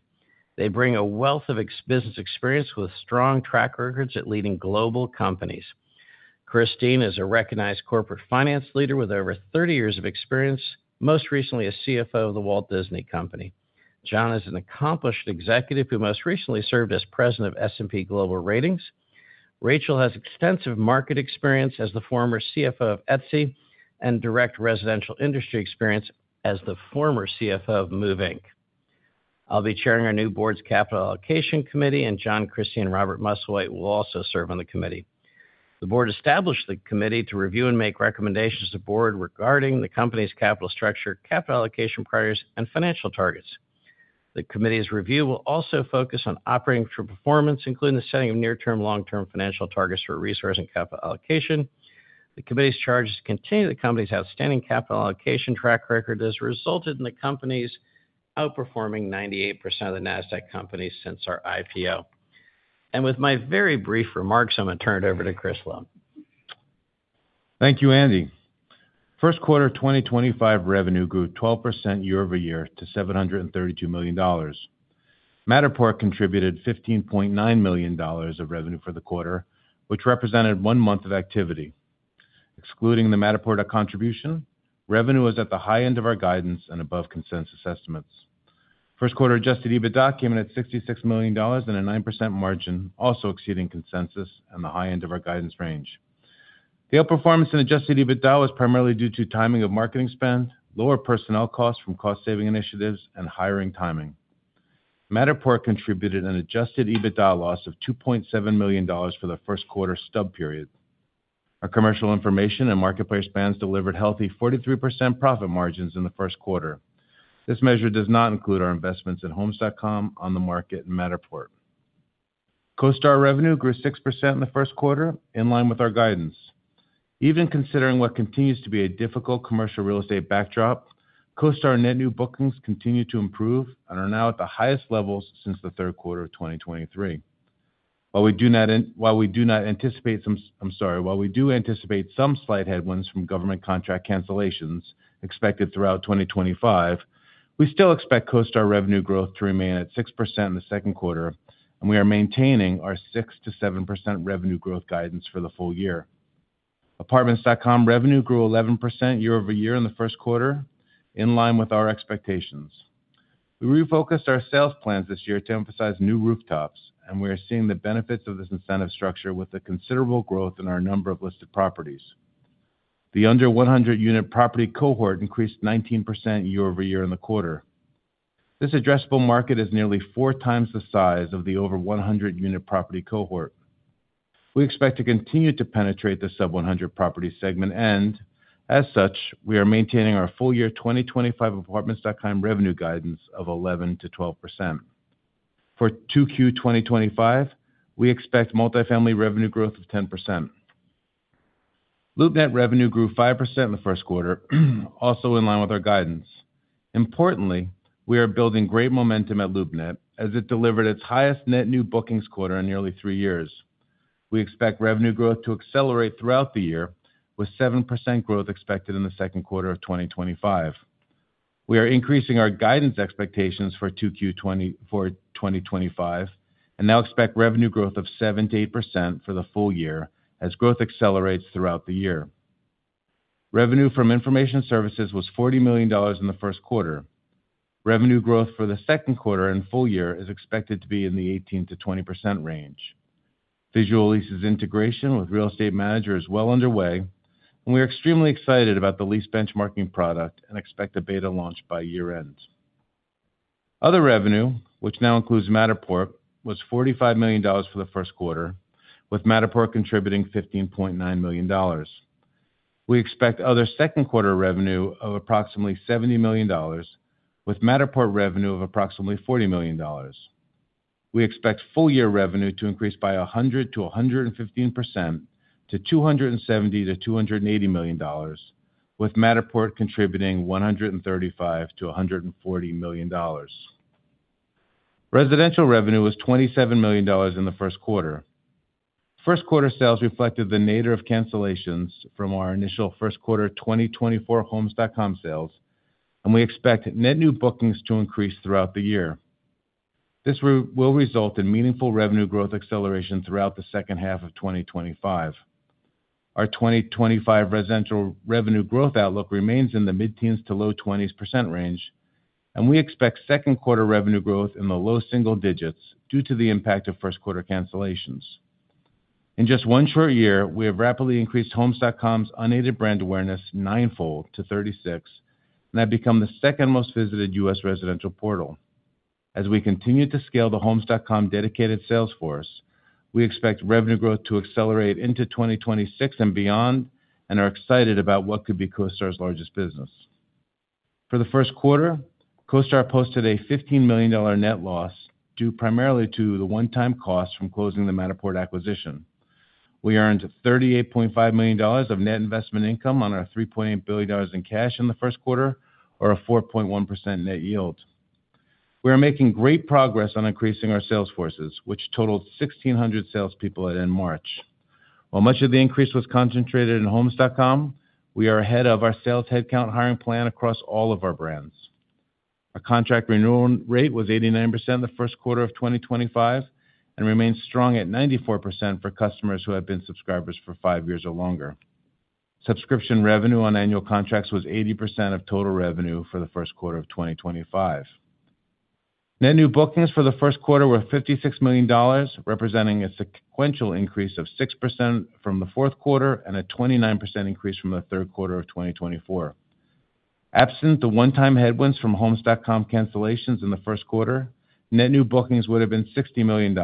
They bring a wealth of business experience with strong track records at leading global companies. Christine is a recognized corporate finance leader with over 30 years of experience, most recently a CFO of The Walt Disney Company. John is an accomplished executive who most recently served as president of S&P Global Ratings. Rachel has extensive market experience as the former CFO of Etsy and direct residential industry experience as the former CFO of Move, Inc. I'll be chairing our new board's capital allocation committee, and John, Christine, and Robert Musslewhite will also serve on the committee. The board established the committee to review and make recommendations to the board regarding the company's capital structure, capital allocation priorities, and financial targets. The committee's review will also focus on operating for performance, including the setting of near-term and long-term financial targets for resource and capital allocation. The committee's charge is to continue the company's outstanding capital allocation track record, as it resulted in the company's outperforming 98% of the NASDAQ companies since our IPO. With my very brief remarks, I'm going to turn it over to Chris Lown. Thank you, Andy. First quarter 2025 revenue grew 12% year-over-year to $732 million. Matterport contributed $15.9 million of revenue for the quarter, which represented one month of activity. Excluding the Matterport contribution, revenue was at the high end of our guidance and above consensus estimates. First quarter adjusted EBITDA came in at $66 million and a 9% margin, also exceeding consensus and the high end of our guidance range. The outperformance in adjusted EBITDA was primarily due to timing of marketing spend, lower personnel costs from cost-saving initiatives, and hiring timing. Matterport contributed an adjusted EBITDA loss of $2.7 million for the first quarter stub period. Our commercial information and marketplace spans delivered healthy 43% profit margins in the first quarter. This measure does not include our investments in Homes.com, OnTheMarket, and Matterport. CoStar revenue grew 6% in the first quarter, in line with our guidance. Even considering what continues to be a difficult commercial real estate backdrop, CoStar net new bookings continue to improve and are now at the highest levels since the third quarter of 2023. While we do anticipate some slight headwinds from government contract cancellations expected throughout 2025, we still expect CoStar revenue growth to remain at 6% in the second quarter, and we are maintaining our 6%-7% revenue growth guidance for the full year. Apartments.com revenue grew 11% year-over-year in the first quarter, in line with our expectations. We refocused our sales plans this year to emphasize new rooftops, and we are seeing the benefits of this incentive structure with the considerable growth in our number of listed properties. The under 100-unit property cohort increased 19% year-over-year in the quarter. This addressable market is nearly four times the size of the over 100-unit property cohort. We expect to continue to penetrate the sub-100 property segment, and as such, we are maintaining our full-year 2025 Apartments.com revenue guidance of 11%-12%. For 2Q 2025, we expect multifamily revenue growth of 10%. LoopNet revenue grew 5% in the first quarter, also in line with our guidance. Importantly, we are building great momentum at LoopNet, as it delivered its highest net new bookings quarter in nearly three years. We expect revenue growth to accelerate throughout the year, with 7% growth expected in the second quarter of 2025. We are increasing our guidance expectations for 2Q 2025 and now expect revenue growth of 7%-8% for the full year as growth accelerates throughout the year. Revenue from information services was $40 million in the first quarter. Revenue growth for the second quarter and full year is expected to be in the 18%-20% range. Visual Lease's integration with Real Estate Manager is well underway, and we are extremely excited about the lease benchmarking product and expect a beta launch by year-end. Other revenue, which now includes Matterport, was $45 million for the first quarter, with Matterport contributing $15.9 million. We expect other second quarter revenue of approximately $70 million, with Matterport revenue of approximately $40 million. We expect full-year revenue to increase by 100%-115% to $270 million-$280 million, with Matterport contributing $135 million-$140 million. Residential revenue was $27 million in the first quarter. First quarter sales reflected the nadir of cancellations from our initial first quarter 2024 Homes.com sales, and we expect net new bookings to increase throughout the year. This will result in meaningful revenue growth acceleration throughout the second half of 2025. Our 2025 residential revenue growth outlook remains in the mid-teens to low 20% range, and we expect second quarter revenue growth in the low single digits due to the impact of first quarter cancellations. In just one short year, we have rapidly increased Homes.com's unaided brand awareness nine-fold to 36, and have become the second most visited U.S. residential portal. As we continue to scale the Homes.com dedicated sales force, we expect revenue growth to accelerate into 2026 and beyond, and are excited about what could be CoStar's largest business. For the first quarter, CoStar posted a $15 million net loss due primarily to the one-time cost from closing the Matterport acquisition. We earned $38.5 million of net investment income on our $3.8 billion in cash in the first quarter, or a 4.1% net yield. We are making great progress on increasing our sales forces, which totaled 1,600 salespeople at end March. While much of the increase was concentrated in Homes.com, we are ahead of our sales headcount hiring plan across all of our brands. Our contract renewal rate was 89% in the first quarter of 2025 and remained strong at 94% for customers who have been subscribers for five years or longer. Subscription revenue on annual contracts was 80% of total revenue for the first quarter of 2025. Net new bookings for the first quarter were $56 million, representing a sequential increase of 6% from the fourth quarter and a 29% increase from the third quarter of 2024. Absent the one-time headwinds from Homes.com cancellations in the first quarter, net new bookings would have been $60 million.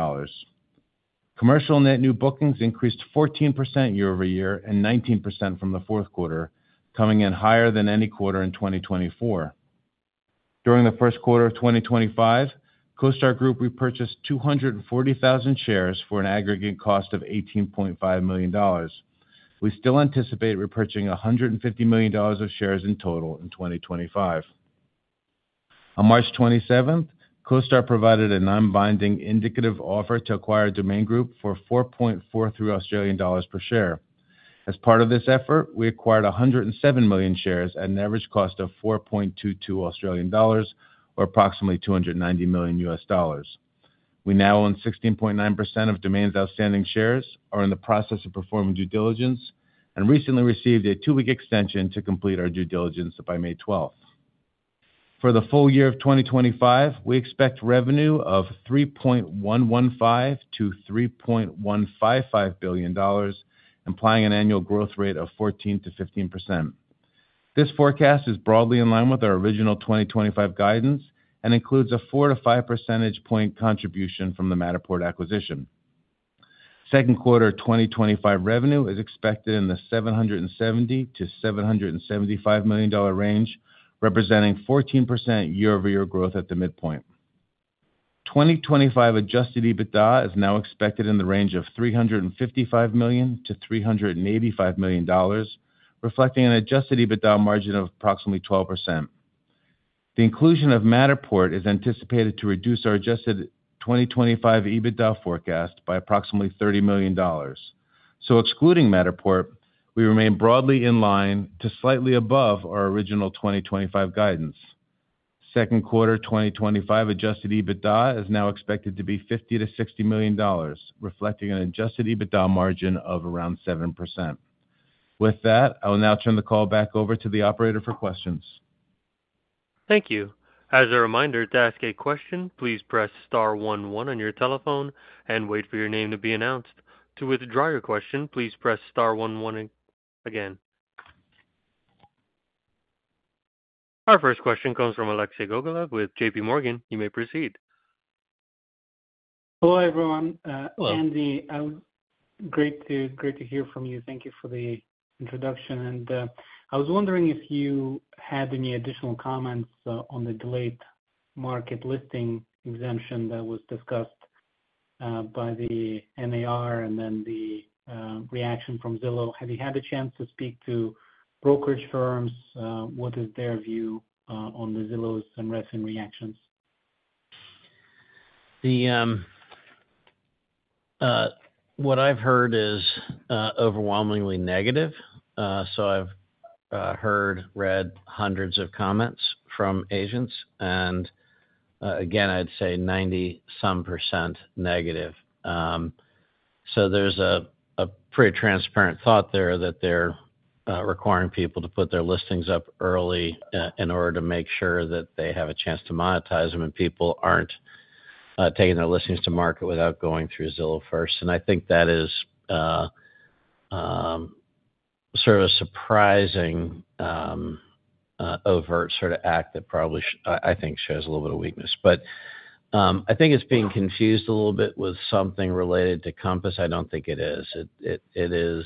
Commercial net new bookings increased 14% year-over-year and 19% from the fourth quarter, coming in higher than any quarter in 2024. During the first quarter of 2025, CoStar Group repurchased 240,000 shares for an aggregate cost of $18.5 million. We still anticipate repurchasing $150 million of shares in total in 2025. On March 27th, CoStar provided a non-binding indicative offer to acquire Domain Group for 4.43 Australian dollars per share. As part of this effort, we acquired 107 million shares at an average cost of 4.22 Australian dollars, or approximately $290 million. We now own 16.9% of Domain's outstanding shares, are in the process of performing due diligence, and recently received a two-week extension to complete our due diligence by May 12th. For the full year of 2025, we expect revenue of $3.115billion-$3.155 billion, implying an annual growth rate of 14%-15%. This forecast is broadly in line with our original 2025 guidance and includes a 4-5 percentage point contribution from the Matterport acquisition. Second quarter 2025 revenue is expected in the $770 million-$775 million range, representing 14% year-over-year growth at the midpoint. 2025 adjusted EBITDA is now expected in the range of $355 million-$385 million, reflecting an adjusted EBITDA margin of approximately 12%. The inclusion of Matterport is anticipated to reduce our adjusted 2025 EBITDA forecast by approximately $30 million. Excluding Matterport, we remain broadly in line to slightly above our original 2025 guidance. Second quarter 2025 adjusted EBITDA is now expected to be $50 million-$60 million, reflecting an adjusted EBITDA margin of around 7%. With that, I will now turn the call back over to the operator for questions. Thank you. As a reminder, to ask a question, please press star one, one on your telephone and wait for your name to be announced. To withdraw your question, please press star one, one again. Our first question comes from Alexei Gogolev with JPMorgan. You may proceed. Hello, everyone. Hello. Andy, great to hear from you. Thank you for the introduction. I was wondering if you had any additional comments on the delayed market listing exemption that was discussed by the NAR and then the reaction from Zillow. Have you had a chance to speak to brokerage firms? What is their view on the Zillow and Redfins reactions? What I've heard is overwhelmingly negative. I've heard, read hundreds of comments from agents, and again, I'd say 90-some % negative. There's a pretty transparent thought there that they're requiring people to put their listings up early in order to make sure that they have a chance to monetize them and people aren't taking their listings to market without going through Zillow first. I think that is sort of a surprising overt sort of act that probably, I think, shows a little bit of weakness. I think it's being confused a little bit with something related to Compass. I don't think it is. It is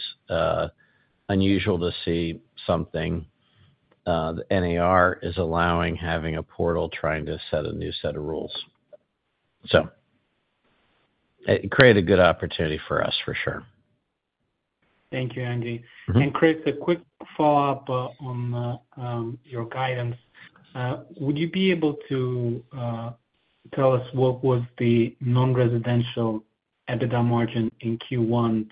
unusual to see something the NAR is allowing, having a portal trying to set a new set of rules. It created a good opportunity for us, for sure. Thank you, Andy. Chris, a quick follow-up on your guidance. Would you be able to tell us what was the non-residential EBITDA margin in Q1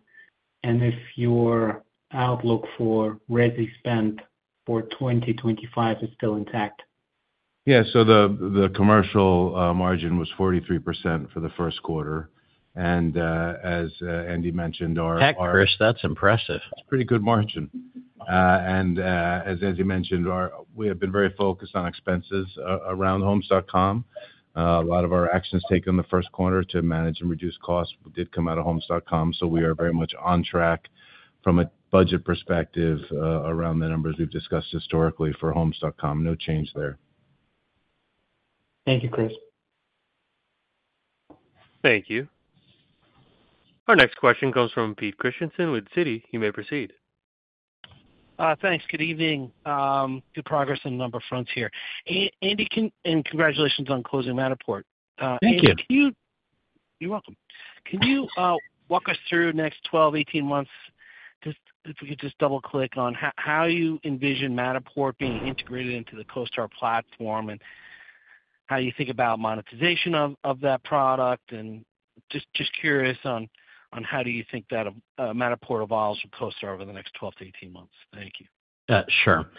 and if your outlook for Resi spend for 2025 is still intact? Yeah. The commercial margin was 43% for the first quarter. As Andy mentioned, our— Chris, that's impressive. It's a pretty good margin. As Andy mentioned, we have been very focused on expenses around Homes.com. A lot of our actions taken in the first quarter to manage and reduce costs did come out of Homes.com. We are very much on track from a budget perspective around the numbers we've discussed historically for Homes.com. No change there. Thank you, Chris. Thank you. Our next question comes from Pete Christiansen with Citi. You may proceed. Thanks. Good evening. Good progress on a number of fronts here. Andy, and congratulations on closing Matterport. Thank you. You're welcome. Can you walk us through next 12-18 months, if we could just double-click on how you envision Matterport being integrated into the CoStar platform and how you think about monetization of that product? Just curious on how do you think that Matterport evolves with CoStar over the next 12 to 18 months? Thank you. Sure.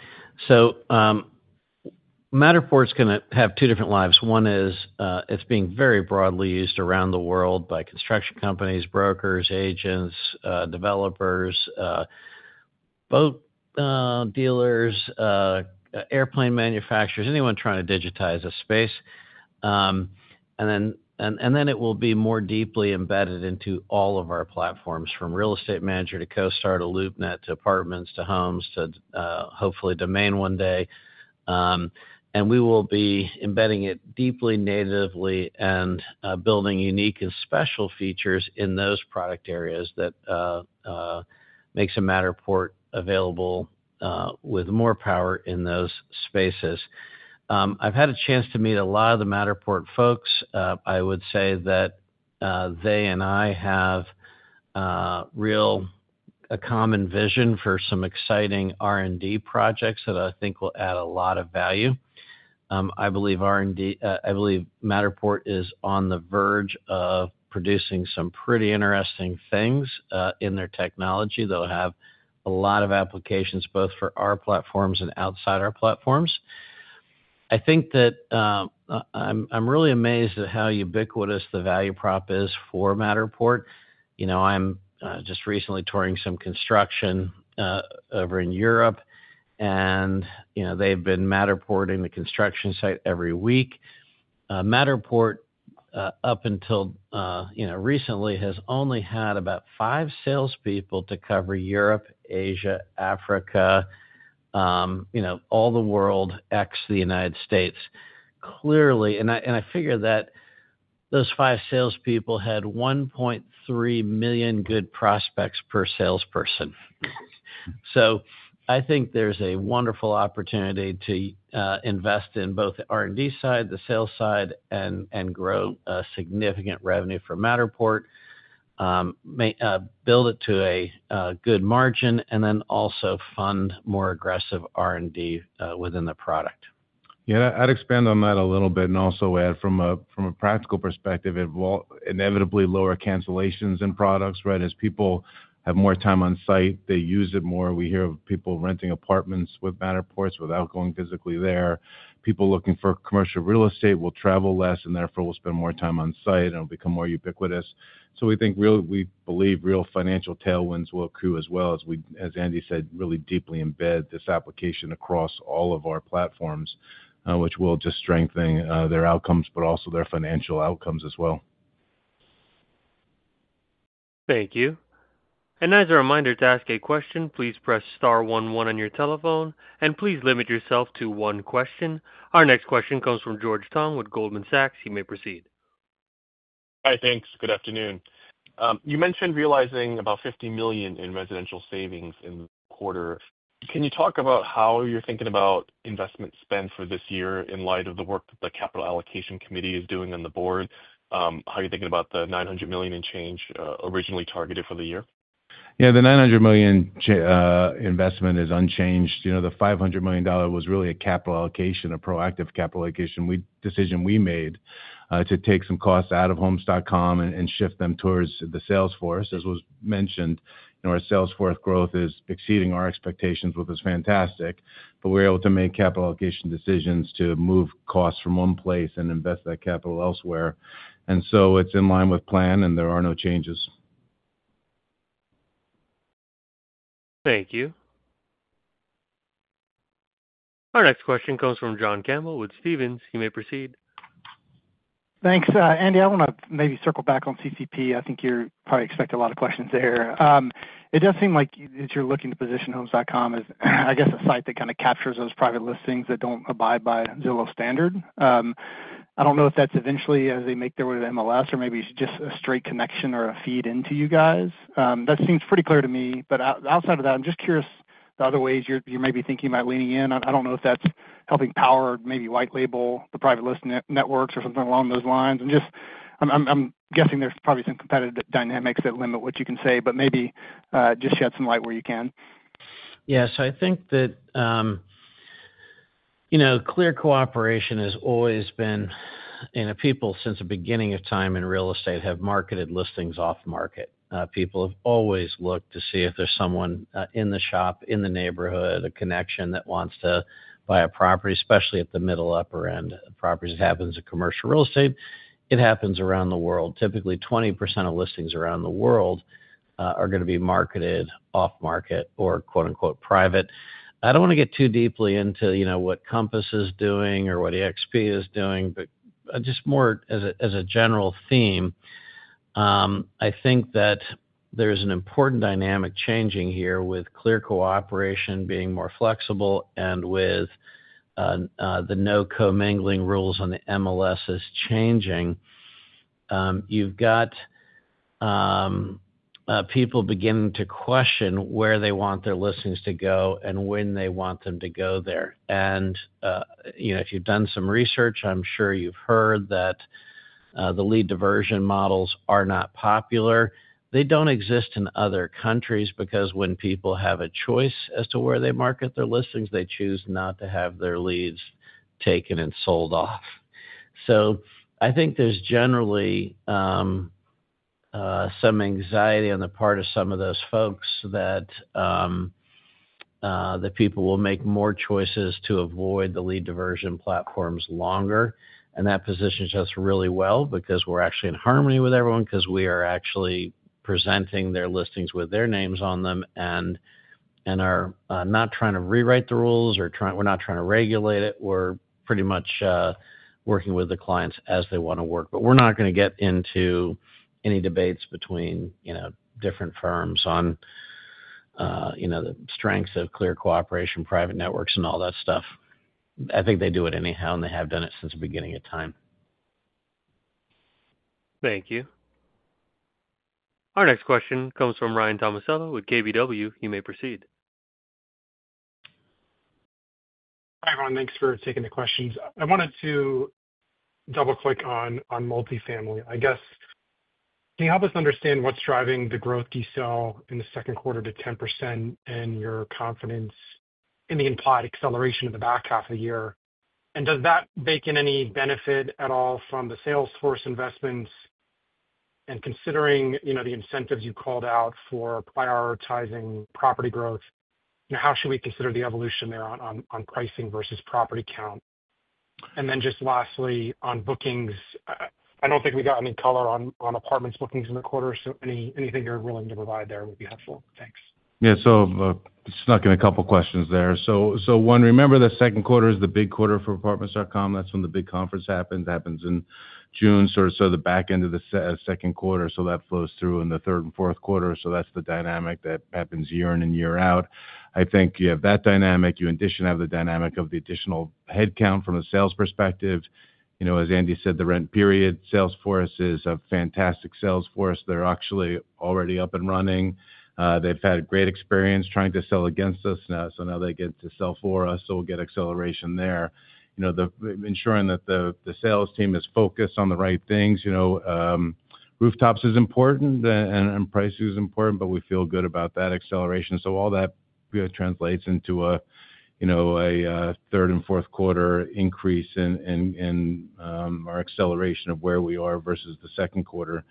Matterport is going to have two different lives. One is it's being very broadly used around the world by construction companies, brokers, agents, developers, boat dealers, airplane manufacturers, anyone trying to digitize a space. It will be more deeply embedded into all of our platforms, from Real Estate Manager to CoStar to LoopNet to Apartments.com to Homes.com to hopefully Domain one day. We will be embedding it deeply, natively, and building unique and special features in those product areas that make Matterport available with more power in those spaces. I've had a chance to meet a lot of the Matterport folks. I would say that they and I have a common vision for some exciting R&D projects that I think will add a lot of value. I believe Matterport is on the verge of producing some pretty interesting things in their technology. They'll have a lot of applications both for our platforms and outside our platforms. I think that I'm really amazed at how ubiquitous the value prop is for Matterport. I'm just recently touring some construction over in Europe, and they've been Matterporting the construction site every week. Matterport, up until recently, has only had about five salespeople to cover Europe, Asia, Africa, all the world, ex the United States. Clearly, and I figured that those five salespeople had 1.3 million good prospects per salesperson. I think there's a wonderful opportunity to invest in both the R&D side, the sales side, and grow significant revenue for Matterport, build it to a good margin, and then also fund more aggressive R&D within the product. Yeah. I'd expand on that a little bit and also add from a practical perspective, it will inevitably lower cancellations in products, right? As people have more time on site, they use it more. We hear of people renting apartments with Matterports without going physically there. People looking for commercial real estate will travel less, and therefore will spend more time on site and will become more ubiquitous. We believe real financial tailwinds will accrue as well, as Andy said, really deeply embed this application across all of our platforms, which will just strengthen their outcomes, but also their financial outcomes as well. Thank you. As a reminder to ask a question, please press star one, one on your telephone and please limit yourself to one question. Our next question comes from George Tong with Goldman Sachs. You may proceed. Hi, thanks. Good afternoon. You mentioned realizing about $50 million in residential savings in the quarter. Can you talk about how you're thinking about investment spend for this year in light of the work that the Capital Allocation Committee is doing on the board? How are you thinking about the $900 million in change originally targeted for the year? Yeah. The $900 million investment is unchanged. The $500 million was really a capital allocation, a proactive capital allocation decision we made to take some costs out of Homes.com and shift them towards the sales force, as was mentioned. Our sales force growth is exceeding our expectations, which is fantastic. We're able to make capital allocation decisions to move costs from one place and invest that capital elsewhere. It is in line with plan, and there are no changes. Thank you. Our next question comes from John Campbell with Stephens. You may proceed. Thanks. Andy, I want to maybe circle back on CCP. I think you probably expect a lot of questions there. It does seem like you're looking to position Homes.com as, I guess, a site that kind of captures those private listings that don't abide by Zillow standard. I don't know if that's eventually as they make their way to MLS or maybe it's just a straight connection or a feed into you guys. That seems pretty clear to me. Outside of that, I'm just curious the other ways you're maybe thinking about leaning in. I don't know if that's helping power or maybe white label the private listing networks or something along those lines. I'm guessing there's probably some competitive dynamics that limit what you can say, but maybe just shed some light where you can. Yeah. I think that clear cooperation has always been people since the beginning of time in real estate have marketed listings off-market. People have always looked to see if there's someone in the shop, in the neighborhood, a connection that wants to buy a property, especially at the middle upper end. Properties, it happens in commercial real estate. It happens around the world. Typically, 20% of listings around the world are going to be marketed off-market or "private." I don't want to get too deeply into what Compass is doing or what eXp is doing, but just more as a general theme. I think that there's an important dynamic changing here with clear cooperation being more flexible and with the no-commingling rules on the MLS changing. You've got people beginning to question where they want their listings to go and when they want them to go there. If you've done some research, I'm sure you've heard that the lead diversion models are not popular. They don't exist in other countries because when people have a choice as to where they market their listings, they choose not to have their leads taken and sold off. I think there's generally some anxiety on the part of some of those folks that the people will make more choices to avoid the lead diversion platforms longer. That positions us really well because we're actually in harmony with everyone because we are actually presenting their listings with their names on them and are not trying to rewrite the rules or we're not trying to regulate it. We're pretty much working with the clients as they want to work. We're not going to get into any debates between different firms on the strengths of clear cooperation, private networks, and all that stuff. I think they do it anyhow, and they have done it since the beginning of time. Thank you. Our next question comes from Ryan Tomasello with KBW. You may proceed. Hi, everyone. Thanks for taking the questions. I wanted to double-click on multifamily. I guess, can you help us understand what's driving the growth you saw in the second quarter to 10% and your confidence in the implied acceleration in the back half of the year? Does that bake in any benefit at all from the sales force investments? Considering the incentives you called out for prioritizing property growth, how should we consider the evolution there on pricing versus property count? Lastly, on bookings, I don't think we got any color on Apartments.com bookings in the quarter. Anything you're willing to provide there would be helpful. Thanks. Yeah. Snuck in a couple of questions there. One, remember the second quarter is the big quarter for Apartments.com. That's when the big conference happens. It happens in June, sort of the back end of the second quarter. That flows through in the third and fourth quarter. That's the dynamic that happens year in and year out. I think you have that dynamic. You additionally have the dynamic of the additional headcount from a sales perspective. As Andy said, the Rent. sales force is a fantastic sales force. They're actually already up and running. They've had a great experience trying to sell against us. Now they get to sell for us. We'll get acceleration there. Ensuring that the sales team is focused on the right things. Rooftops is important, and pricing is important, but we feel good about that acceleration. All that translates into a third and fourth quarter increase in our acceleration of where we are versus the second quarter.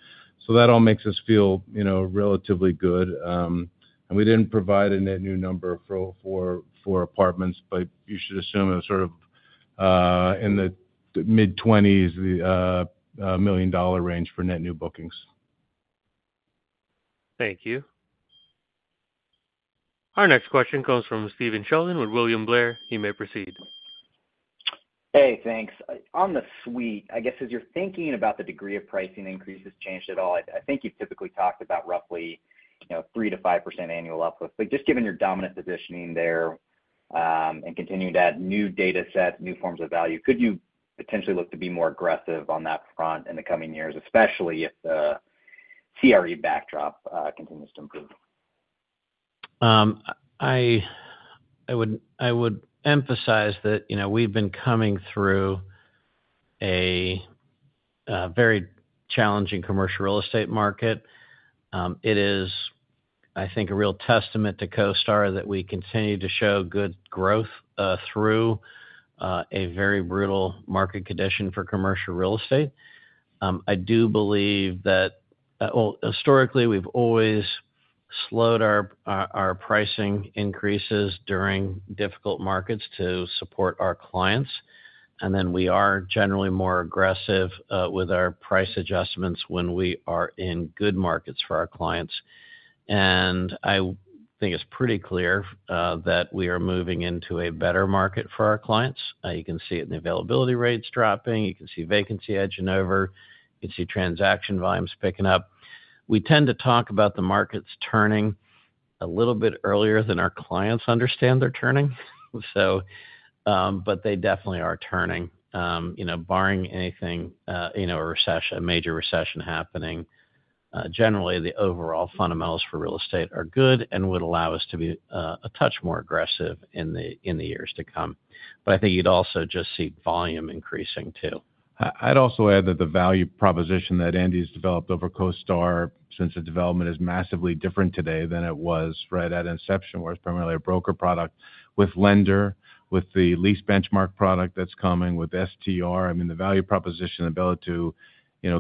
That all makes us feel relatively good. We did not provide a net new number for Apartments.com, but you should assume it was sort of in the mid-20s, the million-dollar range for net new bookings. Thank you. Our next question comes from Stephen Sheldon with William Blair. You may proceed. Hey, thanks. On the suite, I guess, as you are thinking about the degree of pricing increases, has that changed at all? I think you have typically talked about roughly 3%-5% annual uplift. Just given your dominant positioning there and continuing to add new data sets, new forms of value, could you potentially look to be more aggressive on that front in the coming years, especially if the CRE backdrop continues to improve? I would emphasize that we have been coming through a very challenging commercial real estate market. It is, I think, a real testament to CoStar that we continue to show good growth through a very brutal market condition for commercial real estate. I do believe that, historically, we've always slowed our pricing increases during difficult markets to support our clients. We are generally more aggressive with our price adjustments when we are in good markets for our clients. I think it's pretty clear that we are moving into a better market for our clients. You can see it in the availability rates dropping. You can see vacancy edge and over. You can see transaction volumes picking up. We tend to talk about the markets turning a little bit earlier than our clients understand they're turning. They definitely are turning. Barring anything, a major recession happening, generally, the overall fundamentals for real estate are good and would allow us to be a touch more aggressive in the years to come. I think you'd also just see volume increasing too. I'd also add that the value proposition that Andy's developed over CoStar since the development is massively different today than it was right at inception, where it's primarily a broker product with lender, with the lease benchmark product that's coming with STR. I mean, the value proposition, the ability to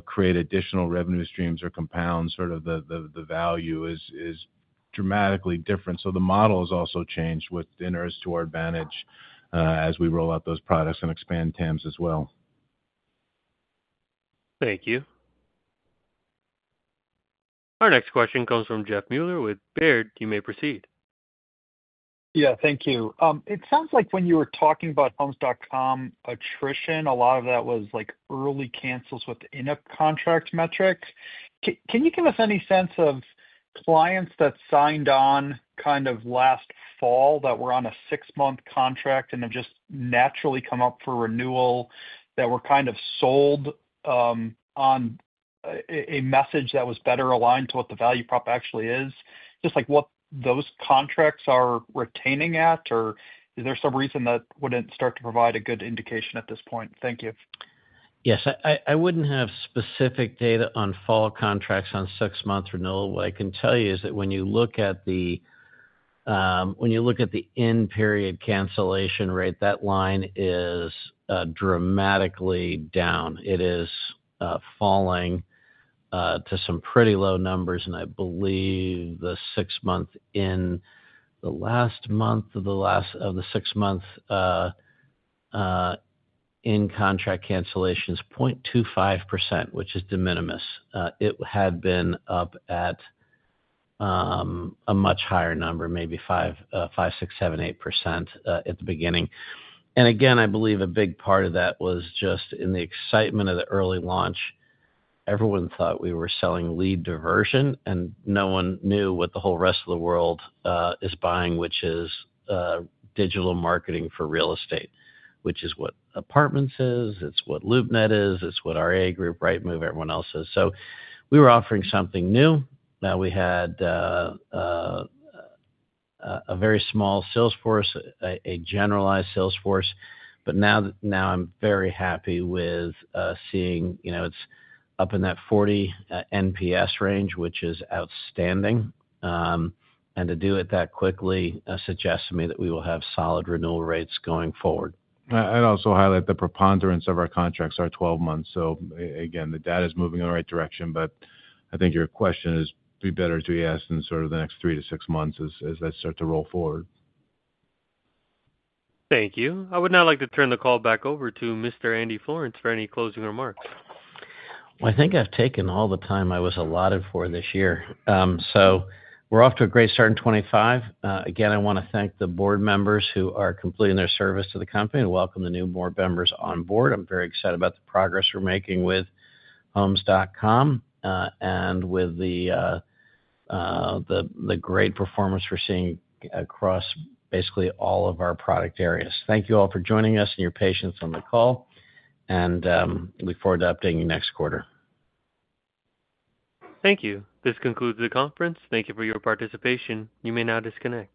create additional revenue streams or compound sort of the value is dramatically different. The model has also changed within or is to our advantage as we roll out those products and expand TAMs as well. Thank you. Our next question comes from Jeff Meuler with Baird. You may proceed. Yeah. Thank you. It sounds like when you were talking about Homes.com attrition, a lot of that was early cancels within a contract metric. Can you give us any sense of clients that signed on kind of last fall that were on a six-month contract and have just naturally come up for renewal, that were kind of sold on a message that was better aligned to what the value prop actually is? Just what those contracts are retaining at, or is there some reason that wouldn't start to provide a good indication at this point? Thank you. Yes. I wouldn't have specific data on fall contracts on six months renewal. What I can tell you is that when you look at the end period cancellation rate, that line is dramatically down. It is falling to some pretty low numbers. I believe the six-month in the last month of the six-month in contract cancellation is 0.25%, which is de minimis. It had been up at a much higher number, maybe 5-8% at the beginning. I believe a big part of that was just in the excitement of the early launch. Everyone thought we were selling lead diversion, and no one knew what the whole rest of the world is buying, which is digital marketing for real estate, which is what Apartments.com is. It's what LoopNet is. It's what REA group, Rightmove, everyone else is. We were offering something new. Now we had a very small sales force, a generalized sales force. I am very happy with seeing it's up in that 40 NPS range, which is outstanding. To do it that quickly suggests to me that we will have solid renewal rates going forward. I'd also highlight the preponderance of our contracts are 12 months. Again, the data is moving in the right direction. I think your question is, be better to be asked in sort of the next three to six months as they start to roll forward. Thank you. I would now like to turn the call back over to Mr. Andy Florance for any closing remarks. I think I've taken all the time I was allotted for this year. We're off to a great start in 2025. Again, I want to thank the board members who are completing their service to the company and welcome the new board members on board. I'm very excited about the progress we're making with Homes.com and with the great performance we're seeing across basically all of our product areas. Thank you all for joining us and your patience on the call. I look forward to updating next quarter. Thank you. This concludes the conference. Thank you for your participation. You may now disconnect.